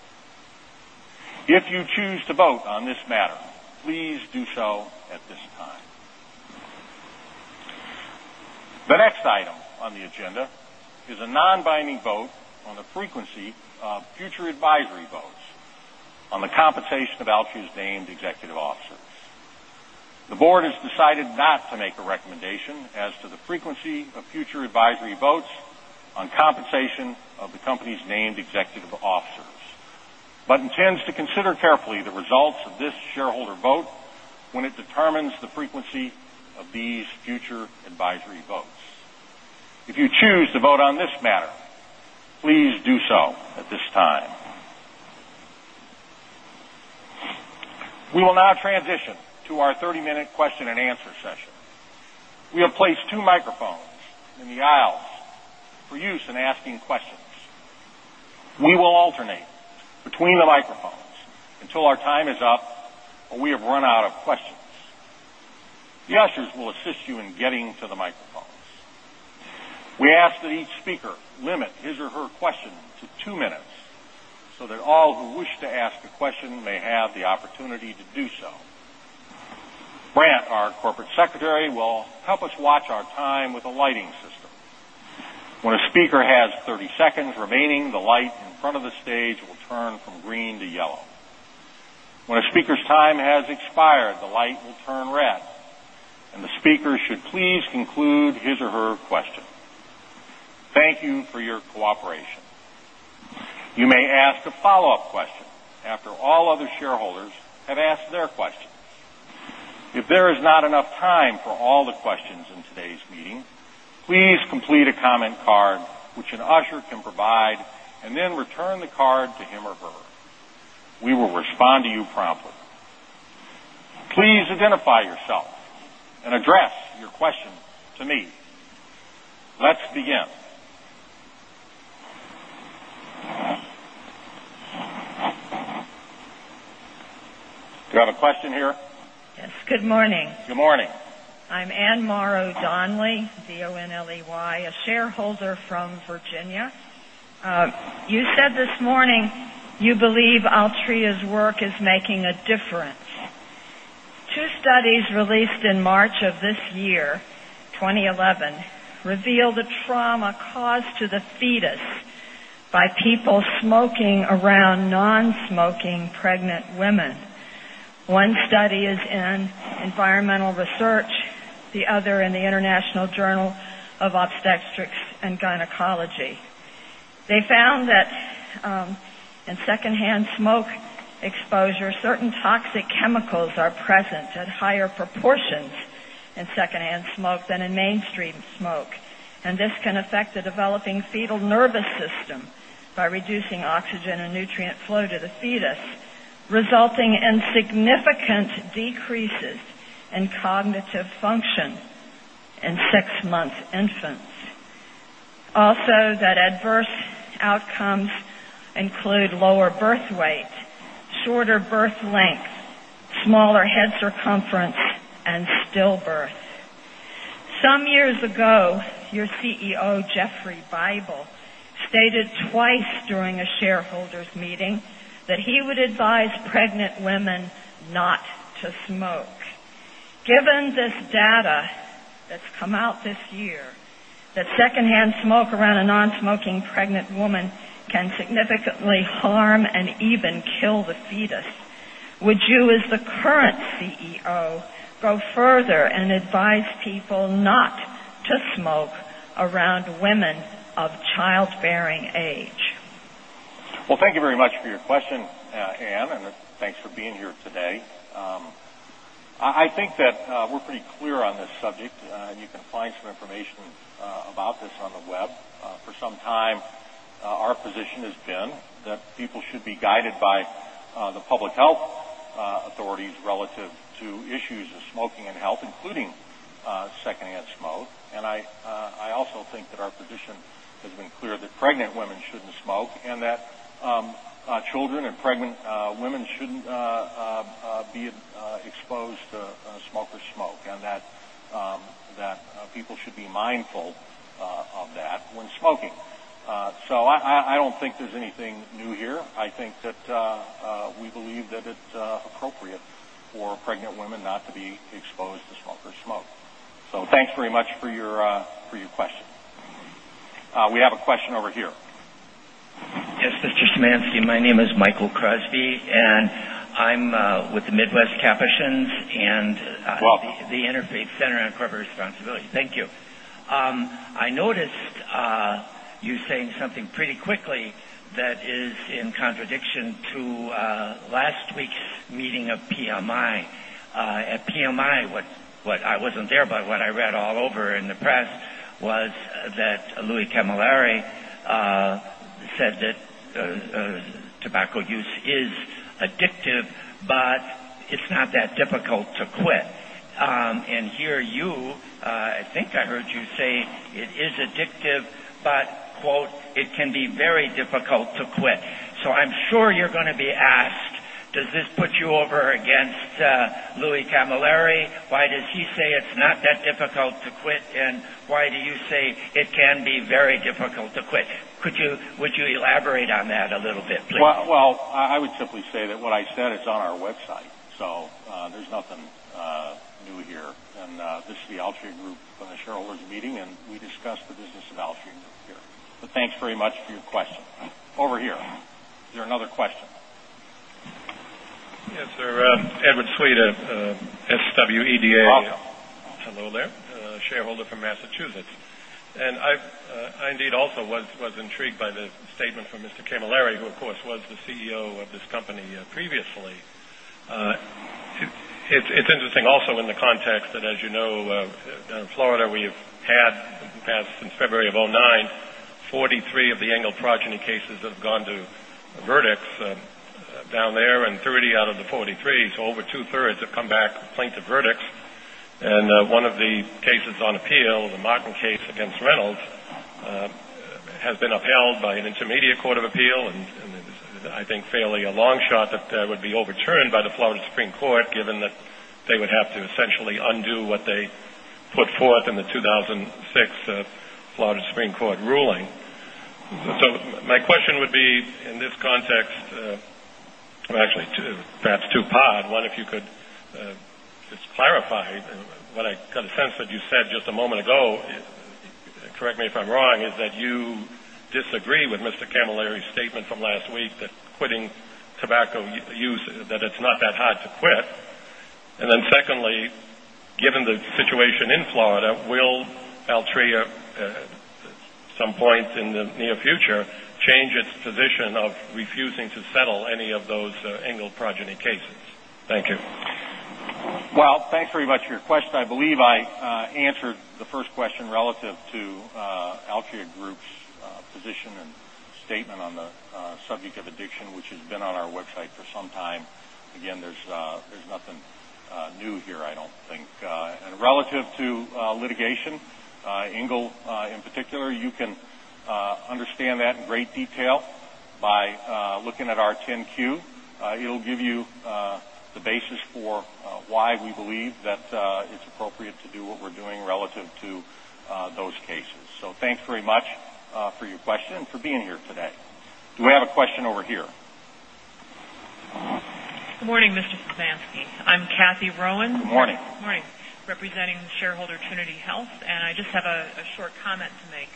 If you choose to vote on this matter, please do so at this time. The next item on the agenda is a non-binding vote on the frequency of future advisory votes on the compensation of Altria's named executive officers. The Board has decided not to make a recommendation as to the frequency of future advisory votes on compensation of the company's named executive officers but intends to consider carefully the results of this shareholder vote when it determines the frequency of these future advisory votes. If you choose to vote on this matter, please do so at this time. We will now transition to our 30-minute question and answer session. We have placed two microphones in the aisle for use in asking questions. We will alternate between the microphones until our time is up or we have run out of questions. The ushers will assist you in getting to the microphones. We ask that each speaker limit his or her question to two minutes so that all who wish to ask a question may have the opportunity to do so. Brandt, our Corporate Secretary, will help us watch our time with a lighting system. When a speaker has 30 seconds remaining, the light in front of the stage will turn from green to yellow. When a speaker's time has expired, the light will turn red, and the speaker should please conclude his or her question. Thank you for your cooperation. You may ask a follow-up question after all other shareholders have asked their question. If there is not enough time for all the questions in today's meeting, please complete a comment card, which an usher can provide, and then return the card to him or her. We will respond to you promptly. Please identify yourself and address your question to me. Let's begin. Do you have a question here? Yes, good morning. Good morning. I'm Anne Morrow Donley, D-O-N-L-E-Y, a shareholder from Virginia. You said this morning you believe Altria's work is making a difference. Two studies released in March of this year, 2011, revealed a trauma caused to the fetus by people smoking around non-smoking pregnant women. One study is in Environmental Research, the other in the International Journal of Obstetrics and Gynecology. They found that in secondhand smoke exposure, certain toxic chemicals are present at higher proportions in secondhand smoke than in mainstream smoke, and this can affect the developing fetal nervous system by reducing oxygen and nutrient flow to the fetus, resulting in significant decreases in cognitive function in six-month infants. Also, that adverse outcomes include lower birth weight, shorter birth lengths, smaller head circumference, and stillbirth. Some years ago, your CEO, Geoffrey Bible, stated twice during a shareholders' meeting that he would advise pregnant women not to smoke. Given this data that's come out this year, that secondhand smoke around a non-smoking pregnant woman can significantly harm and even kill the fetus, would you, as the current CEO, go further and advise people not to smoke around women of childbearing age? Thank you very much for your question, Anne, and thanks for being here today. I think that we're pretty clear on this subject, and you can find some information about this on the web. For some time, our position has been that people should be guided by the public health authorities relative to issues of smoking and health, including secondhand smoke. I also think that our position has been clear that pregnant women shouldn't smoke and that children and pregnant women shouldn't be exposed to smokers' smoke and that people should be mindful of that when smoking. I don't think there's anything new here. I think that we believe that it's appropriate for pregnant women not to be exposed to smokers' smoke. Thank you very much for your question. We have a question over here. Yes, Mr. Szymanczyk, my name is Michael Crosby, and I'm with the Midwest Capuchins and the Interfaith Center on Corporate Responsibility. Thank you. I noticed you saying something pretty quickly that is in contradiction to last week's meeting of PMI. At PMI, I wasn't there, but what I read all over in the press was that Louis Camilleri said that tobacco use is addictive, but it's not that difficult to quit. Here, I think I heard you say it is addictive, but, quote, "It can be very difficult to quit." I'm sure you're going to be asked, does this put you over against Louis Camilleri? Why does he say it's not that difficult to quit, and why do you say it can be very difficult to quit? Could you, would you elaborate on that a little bit, please? I would simply say that what I said is on our website, so there's nothing new here. This is the Altria Group shareholders' meeting, and we discuss the business of Altria here. Thanks very much for your question. Over here, is there another question? Yes, sir. Edward Sweda, S-W-E-D-A. Hello. Hello there. Shareholder from Massachusetts. I indeed also was intrigued by the statement from Mr. Camilleri, who, of course, was the CEO of this company previously. It's interesting also in the context that, as you know, down in Florida, we've had, in the past, since February of 2009, 43 of the Engle Progeny cases have gone to verdicts down there, and 30 out of the 43, so over 2/3, have come back plaintiff verdicts. One of the cases on appeal, the Merck, Inc. case against Reynolds, has been upheld by an intermediate court of appeal. I think it's fairly a long shot that that would be overturned by the Florida Supreme Court, given that they would have to essentially undo what they put forth in the 2006 Florida Supreme Court ruling. My question would be, in this context, actually perhaps two-part. One, if you could just clarify what I got a sense that you said just a moment ago, correct me if I'm wrong, is that you disagree with Mr. Camilleri's statement from last week that quitting tobacco use, that it's not that hard to quit. Secondly, given the situation in Florida, will Altria, at some point in the near future, change its position of refusing to settle any of those Engle Progeny cases? Thank you. Thank you very much for your question. I believe I answered the first question relative to Altria Group's position and statement on the subject of addiction, which has been on our website for some time. Again, there's nothing new here, I don't think. Relative to litigation, Engle in particular, you can understand that in great detail by looking at our 10-Q. It will give you the basis for why we believe that it's appropriate to do what we're doing relative to those cases. Thank you very much for your question and for being here today. Do we have a question over here? Good morning, Mr. Szymanczyk. I'm Cathy Rowan. Good morning. Morning. Representing the shareholder Trinity Health, and I just have a short comment to make.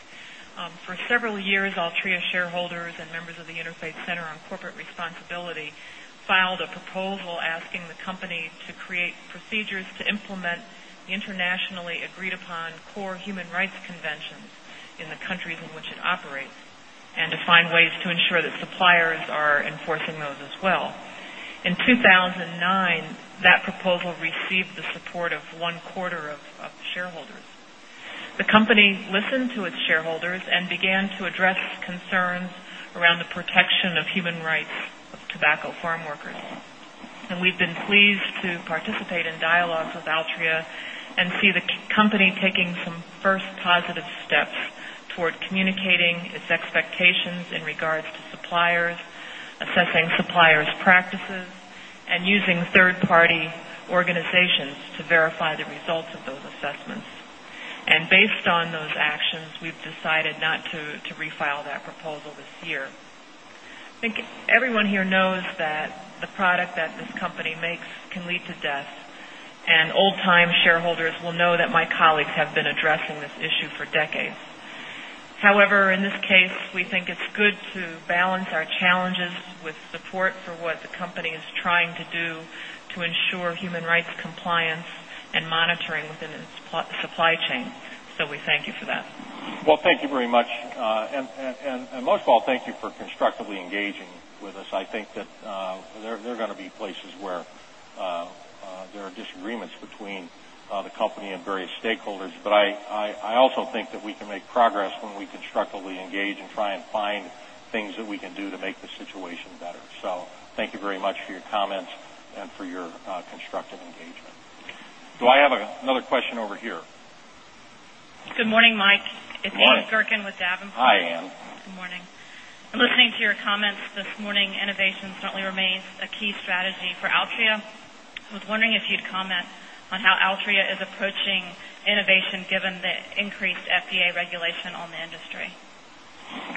For several years, Altria shareholders and members of the Interfaith Center on Corporate Responsibility filed a proposal asking the company to create procedures to implement the internationally agreed-upon core human rights conventions in the countries in which it operates and to find ways to ensure that suppliers are enforcing those as well. In 2009, that proposal received the support of 1/4 of shareholders. The company listened to its shareholders and began to address concerns around the protection of human rights of tobacco farmworkers. We've been pleased to participate in dialogue with Altria and see the company taking some first positive steps toward communicating its expectations in regards to suppliers, assessing suppliers' practices, and using third-party organizations to verify the results of those assessments. Based on those actions, we've decided not to refile that proposal this year. I think everyone here knows that the product that this company makes can lead to death, and old-time shareholders will know that my colleagues have been addressing this issue for decades. However, in this case, we think it's good to balance our challenges with support for what the company is trying to do to ensure human rights compliance and monitoring within its supply chain. We thank you for that. Thank you very much. Most of all, thank you for constructively engaging with us. I think that there are going to be places where there are disagreements between the company and various stakeholders, but I also think that we can make progress when we constructively engage and try and find things that we can do to make the situation better. Thank you very much for your comments and for your constructive engagement. Do I have another question over here? Good morning, Mike. Good morning. It's Ann Gurkin with Davenport. Hi, Ann. Good morning. I'm listening to your comments this morning. Innovation certainly remains a key strategy for Altria. I was wondering if you'd comment on how Altria is approaching innovation given the increased FDA regulation on the industry.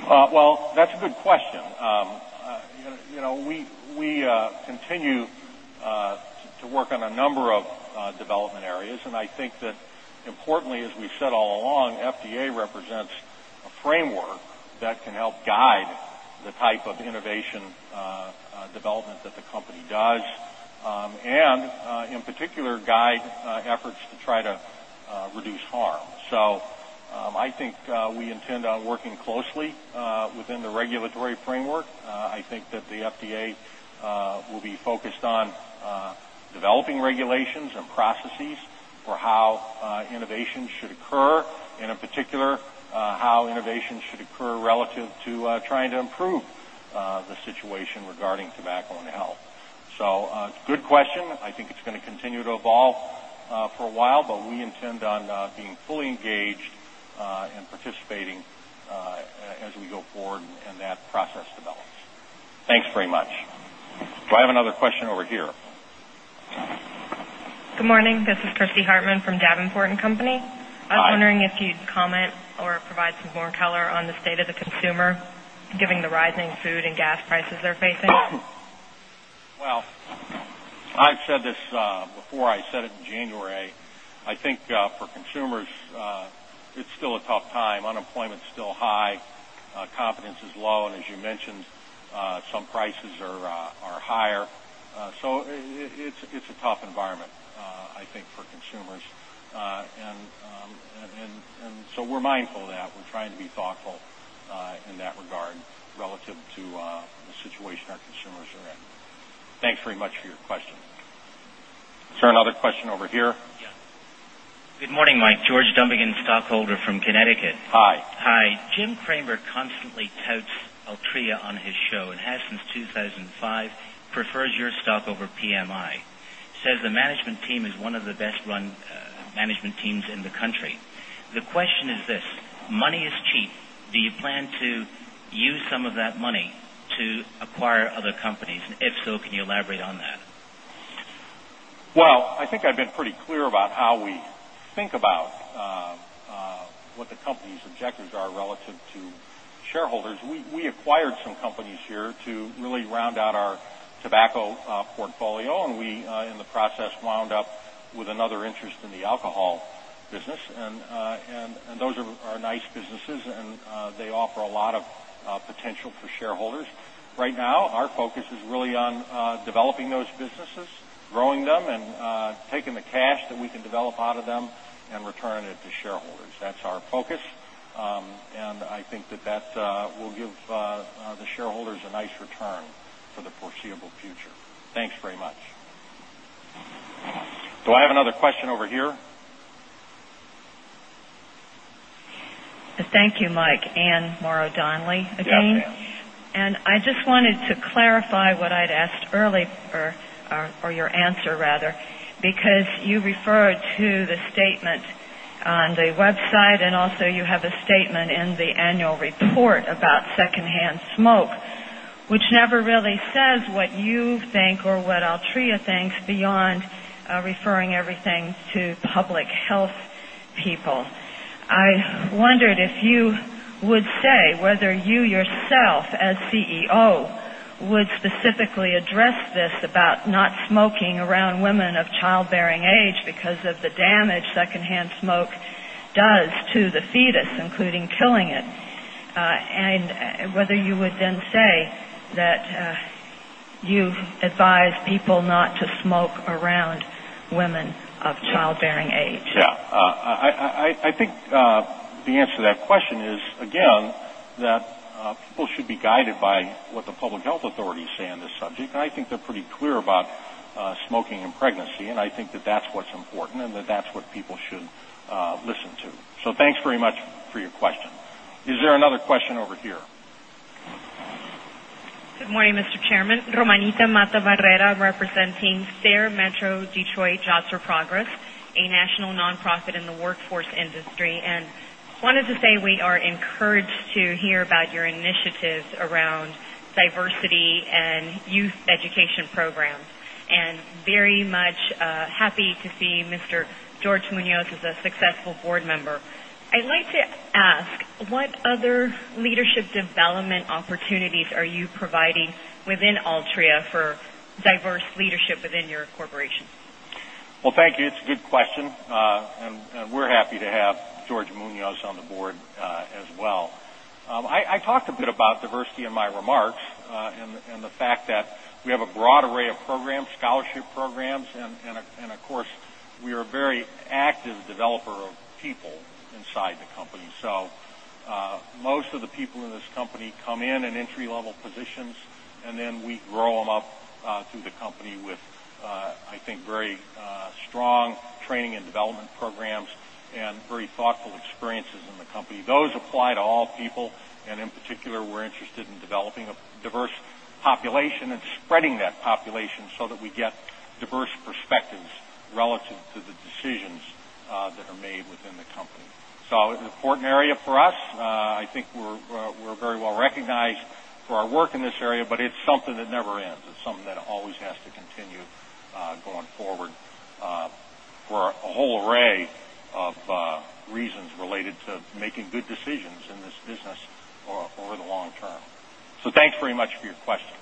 That's a good question. You know, we continue to work on a number of development areas, and I think that importantly, as we've said all along, FDA represents a framework that can help guide the type of innovation development that the company does and, in particular, guide efforts to try to reduce harm. I think we intend on working closely within the regulatory framework. I think that the FDA will be focused on developing regulations and processes for how innovation should occur, and in particular, how innovation should occur relative to trying to improve the situation regarding tobacco and health. Good question. I think it's going to continue to evolve for a while, but we intend on being fully engaged and participating as we go forward in that process develops. Thanks very much. Do I have another question over here? Good morning. This is Kristy Hartman from Davenport & Co. Hello. I was wondering if you'd comment or provide some more color on the state of the consumer, given the rising food and gas prices they're facing. I said it in January. I think for consumers, it's still a tough time. Unemployment's still high. Confidence is low. As you mentioned, some prices are higher. It's a tough environment, I think, for consumers. We're mindful of that. We're trying to be thoughtful in that regard relative to the situation our consumers are in. Thanks very much for your question. Is there another question over here? Good morning, Mike. `George Dumigan, stockholder from Connecticut. Hi. Hi. Jim Cramer constantly touts Altria on his show and has, since 2005, preferred your stock over PMI. He says the management team is one of the best-run management teams in the country. The question is this: money is cheap. Do you plan to use some of that money to acquire other companies? If so, can you elaborate on that? I think I've been pretty clear about how we think about what the company's objectives are relative to shareholders. We acquired some companies here to really round out our tobacco portfolio, and we, in the process, wound up with another interest in the alcohol business. Those are nice businesses, and they offer a lot of potential for shareholders. Right now, our focus is really on developing those businesses, growing them, and taking the cash that we can develop out of them and returning it to shareholders. That's our focus. I think that that will give the shareholders a nice return for the foreseeable future. Thanks very much. Do I have another question over here? Thank you, Mike. Anne Morrow Donley again. Thank you. I just wanted to clarify what I'd asked earlier, or your answer rather, because you referred to the statement on the website, and also you have a statement in the annual report about secondhand smoke, which never really says what you think or what Altria thinks beyond referring everything to public health people. I wondered if you would say whether you yourself, as CEO, would specifically address this about not smoking around women of childbearing age because of the damage secondhand smoke does to the fetus, including killing it, and whether you would then say that you've advised people not to smoke around women of childbearing age. I think the answer to that question is, again, that people should be guided by what the public health authorities say on this subject. I think they're pretty clear about smoking and pregnancy, and I think that that's what's important and that that's what people should listen to. Thanks very much for your question. Is there another question over here? Good morning, Mr. Chairman. Romanita Matta Barrera, representing SER Metro-Detroit Jobs for Progress, a national nonprofit in the workforce industry, wanted to say we are encouraged to hear about your initiatives around diversity and youth education programs. We are very much happy to see Mr. George Muñoz as a successful board member. I'd like to ask, what other leadership development opportunities are you providing within Altria for diverse leadership within your corporation? Thank you. It's a good question, and we're happy to have George Muñoz on the board as well. I talked a bit about diversity in my remarks and the fact that we have a broad array of programs, scholarship programs, and, of course, we are a very active developer of people inside the company. Most of the people in this company come in in entry-level positions, and then we grow them up through the company with, I think, very strong training and development programs and very thoughtful experiences in the company. Those apply to all people, and in particular, we're interested in developing a diverse population and spreading that population so that we get diverse perspectives relative to the decisions that are made within the company. It's an important area for us. I think we're very well recognized for our work in this area, but it's something that never ends. It's something that always has to continue going forward for a whole array of reasons related to making good decisions in this business over the long term. Thanks very much for your question.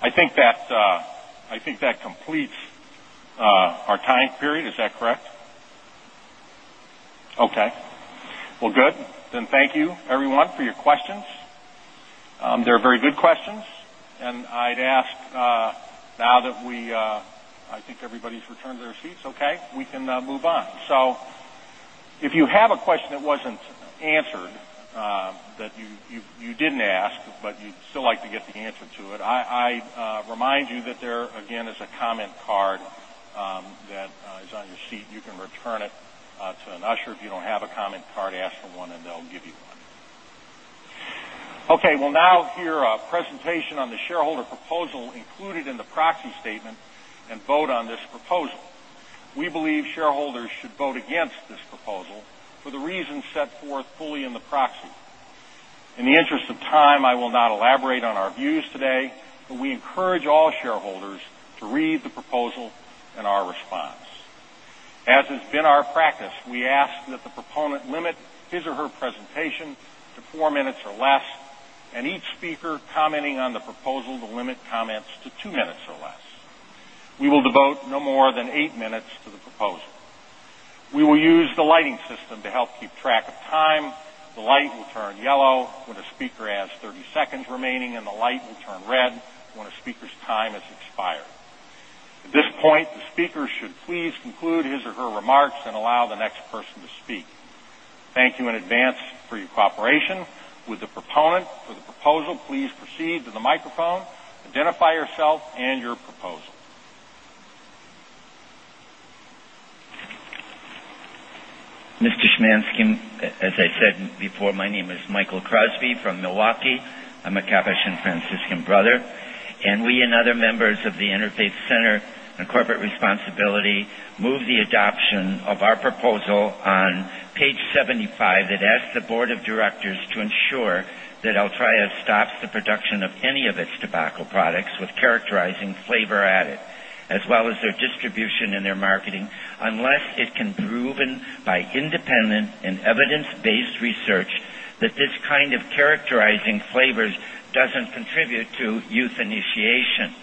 I think that completes our time period. Is that correct? Okay. Good. Thank you, everyone, for your questions. They're very good questions, and I'd ask, now that we, I think everybody's returned to their seats, okay, we can move on. If you have a question that wasn't answered, that you didn't ask, but you'd still like to get the answer to it, I remind you that there, again, is a comment card that is on your seat. You can return it to us. If you don't have a comment card, ask for one, and they'll give you one. Now hear a presentation on the shareholder proposal included in the proxy statement and vote on this proposal. We believe shareholders should vote against this proposal for the reasons set forth fully in the proxy. In the interest of time, I will not elaborate on our views today, but we encourage all shareholders to read the proposal and our response. As it's been our practice, we ask that the proponent limit his or her presentation to four minutes or less, and each speaker commenting on the proposal to limit comments to two minutes or less. We will devote no more than eight minutes to the proposal. We will use the lighting system to help keep track of time. The light will turn yellow when a speaker has 30 seconds remaining, and the light will turn red when a speaker's time has expired. At this point, the speaker should please conclude his or her remarks and allow the next person to speak. Thank you in advance for your cooperation with the proponent for the proposal. Please proceed to the microphone. Identify yourself and your proposal. Mr. Szymanczyk, as I said before, my name is Michael Crosby from Milwaukee. I'm a Capuchin Franciscan brother. We and other members of the Interfaith Center on Corporate Responsibility moved the adoption of our proposal on page 75 that asked the board of directors to ensure that Altria stops the production of any of its tobacco products with characterizing flavor added, as well as their distribution and their marketing, unless it can be proven by independent and evidence-based research that this kind of characterizing flavors doesn't contribute to youth initiation.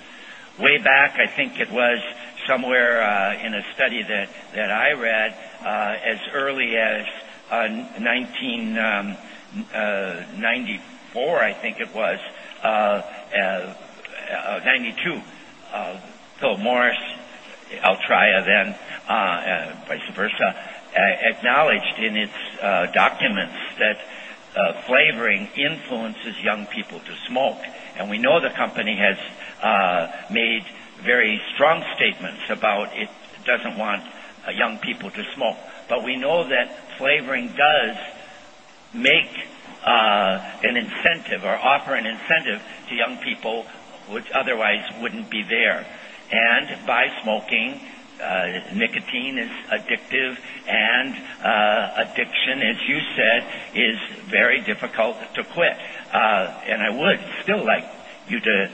Way back, I think it was somewhere in a study that I read, as early as 1994, I think it was, 1992, Philip Morris, Altria then, vice versa, acknowledged in its documents that flavoring influences young people to smoke. We know the company has made very strong statements about it doesn't want young people to smoke. We know that flavoring does make an incentive or offer an incentive to young people which otherwise wouldn't be there. By smoking, nicotine is addictive, and addiction, as you said, is very difficult to quit. I would still like you to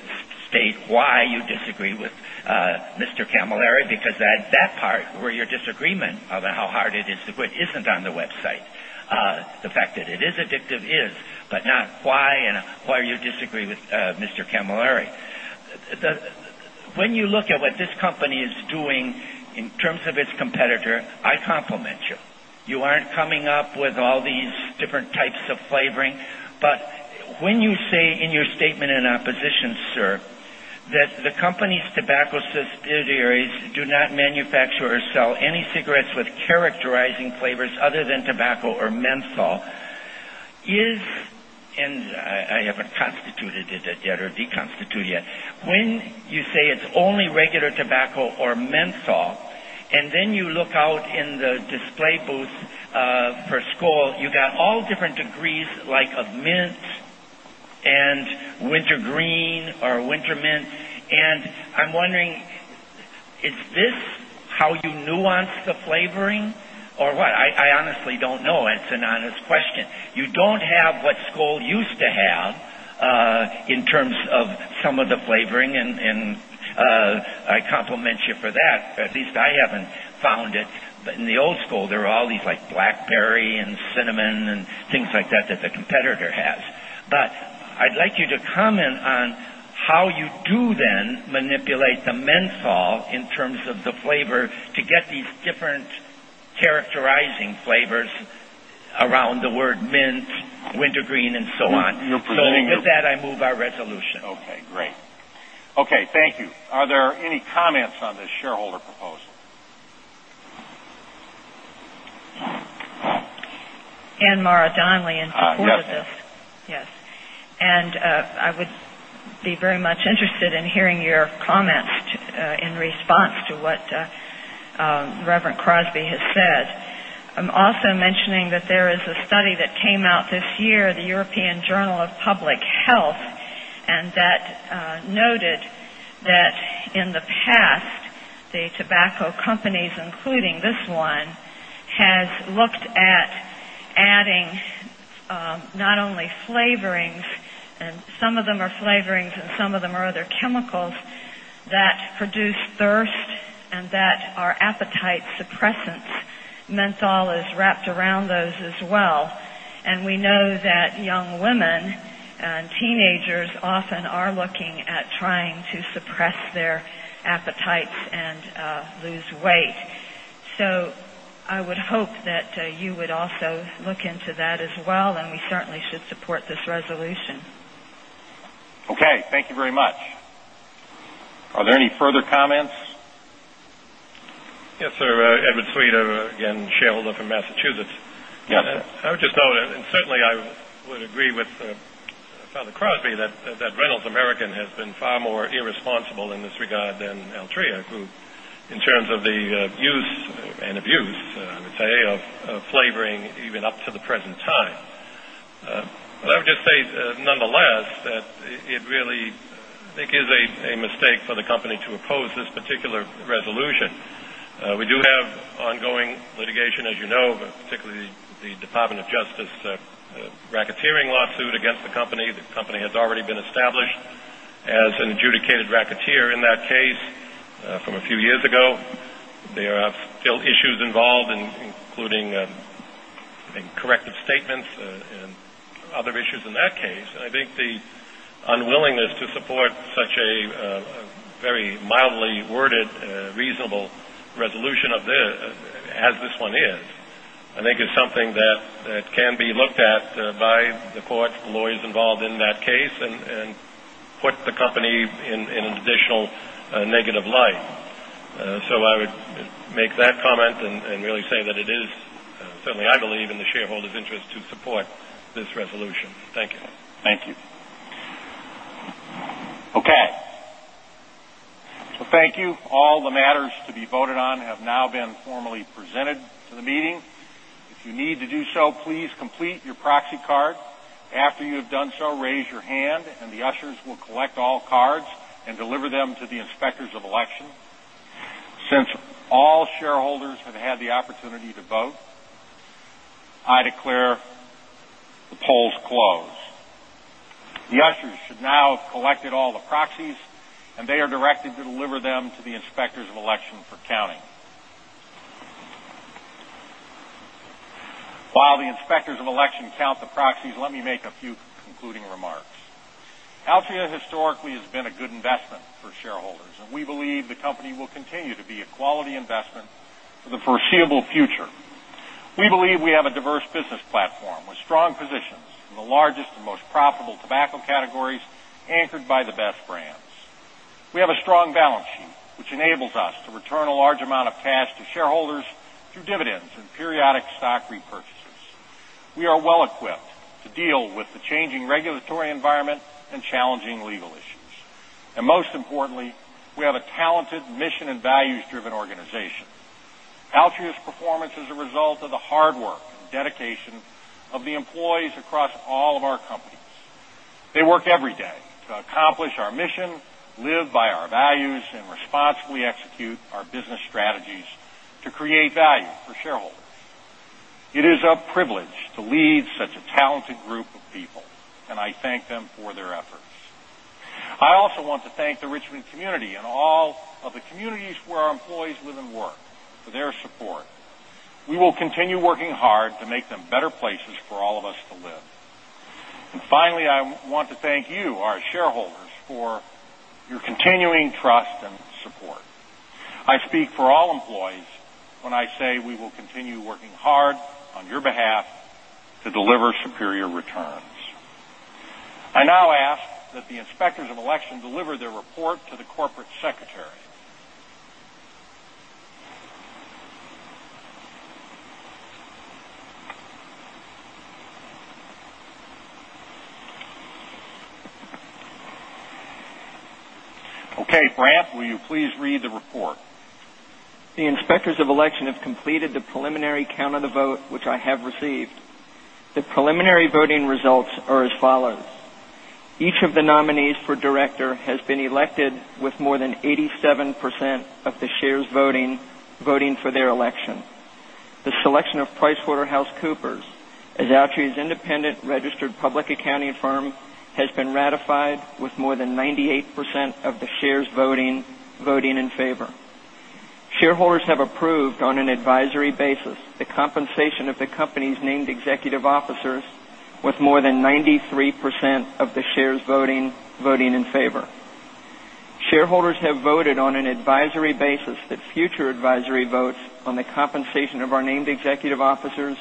state why you disagree with Mr. Camilleri because that part where your disagreement about how hard it is to quit isn't on the website. The fact that it is addictive is, but not why and why you disagree with Mr. Camilleri. When you look at what this company is doing in terms of its competitor, I compliment you. You aren't coming up with all these different types of flavoring. When you say in your statement in opposition, sir, that the company's tobacco subsidiaries do not manufacture or sell any cigarettes with characterizing flavors other than tobacco or menthol, if, and I haven't constituted it yet or deconstitute yet, when you say it's only regular tobacco or menthol, and then you look out in the display booths per score, you got all different degrees, like of mint and wintergreen or winter mint. I'm wondering, is this how you nuance the flavoring or what? I honestly don't know. It's an honest question. You don't have what Skoal used to have in terms of some of the flavoring, and I compliment you for that. At least I haven't found it. In the old Skoal, there are all these like blackberry and cinnamon and things like that that the competitor has. I'd like you to comment on how you do then manipulate the menthol in terms of the flavor to get these different characterizing flavors around the word mint, wintergreen, and so on. Your presumably. With that, I move our resolution. Okay. Great. Thank you. Are there any comments on this shareholder proposal? Anne Morrow Donley in support of this. I see. Yes. I would be very much interested in hearing your comments in response to what Reverend Crosby has said. I'm also mentioning that there is a study that came out this year, the European Journal of Public Health, and that noted that in the past, the tobacco companies, including this one, have looked at adding not only flavorings, and some of them are flavorings and some of them are other chemicals that produce thirst and that are appetite suppressants. Menthol is wrapped around those as well. We know that young women and teenagers often are looking at trying to suppress their appetites and lose weight. I would hope that you would also look into that as well, and we certainly should support this resolution. Okay. Thank you very much. Are there any further comments? Yes, sir. Edward Sweda, again, shareholder from Massachusetts. Yep. I would just note, and certainly I would agree with Father Crosby that Reynolds American has been far more irresponsible in this regard than Altria, who, in terms of the use and abuse, I would say, of flavoring, even up to the present time. Let me just say, nonetheless, that it really I think is a mistake for the company to oppose this particular resolution. We do have ongoing litigation, as you know, particularly the Department of Justice racketeering lawsuit against the company. The company has already been established as an adjudicated racketeer in that case from a few years ago. There are still issues involved, including corrective statements and other issues in that case. I think the unwillingness to support such a very mildly worded, reasonable resolution of this, as this one is, is something that can be looked at by the courts, the lawyers involved in that case, and put the company in an additional negative light. I would make that comment and really say that it is certainly, I believe, in the shareholders' interest to support this resolution. Thank you. Thank you. Okay. Thank you. All the matters to be voted on have now been formally presented to the meeting. If you need to do so, please complete your proxy card. After you have done so, raise your hand, and the ushers will collect all cards and deliver them to the inspectors of election. Since all shareholders have had the opportunity to vote, I declare the polls closed. The ushers have now collected all the proxies, and they are directed to deliver them to the inspectors of election for counting. While the inspectors of election count the proxies, let me make a few concluding remarks. Altria historically has been a good investment for shareholders, and we believe the company will continue to be a quality investment for the foreseeable future. We believe we have a diverse business platform with strong positions in the largest and most profitable tobacco categories, anchored by the best brands. We have a strong balance sheet, which enables us to return a large amount of cash to shareholders through dividends and periodic stock repurchases. We are well equipped to deal with the changing regulatory environment and challenging legal issues. Most importantly, we have a talented, mission, and values-driven organization. Altria's performance is a result of the hard work and dedication of the employees across all of our companies. They work every day to accomplish our mission, live by our values, and responsibly execute our business strategies to create value for shareholders. It is a privilege to lead such a talented group of people, and I thank them for their efforts. I also want to thank the Richmond community and all of the communities where our employees live and work for their support. We will continue working hard to make them better places for all of us to live. Finally, I want to thank you, our shareholders, for your continuing trust and support. I speak for all employees when I say we will continue working hard on your behalf to deliver superior returns. I now ask that the inspectors of election deliver their report to the Corporate Secretary. Okay, Brandt, will you please read the report? The inspectors of election have completed the preliminary count of the vote, which I have received. The preliminary voting results are as follows. Each of the nominees for director has been elected with more than 87% of the shares voting for their election. The selection of PricewaterhouseCoopers as Altria's independent registered public accounting firm has been ratified with more than 98% of the shares voting in favor. Shareholders have approved on an advisory basis the compensation of the company's named executive officers with more than 93% of the shares voting in favor. Shareholders have voted on an advisory basis that future advisory votes on the compensation of our named executive officers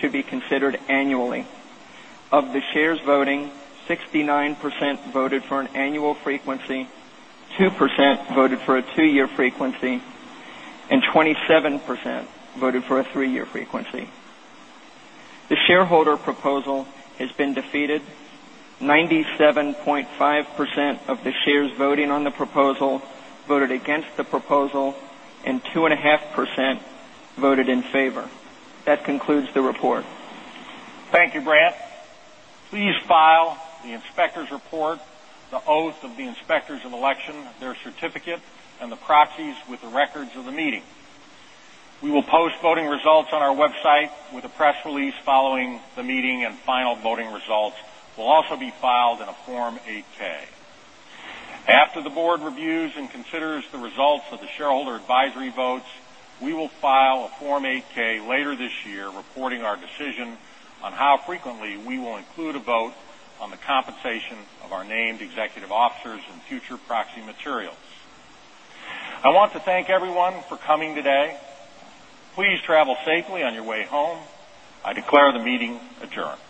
should be considered annually. Of the shares voting, 69% voted for an annual frequency, 2% voted for a two-year frequency, and 27% voted for a three-year frequency. The shareholder proposal has been defeated. 97.5% of the shares voting on the proposal voted against the proposal, and 2.5% voted in favor. That concludes the report. Thank you, Brandt. Please file the inspector's report, the oath of the inspectors of election, their certificate, and the proxies with the records of the meeting. We will post voting results on our website with a press release following the meeting, and final voting results will also be filed in a Form 8-K. After the board reviews and considers the results of the shareholder advisory votes, we will file a Form 8-K later this year reporting our decision on how frequently we will include a vote on the compensation of our named executive officers in future proxy materials. I want to thank everyone for coming today. Please travel safely on your way home. I declare the meeting adjourned.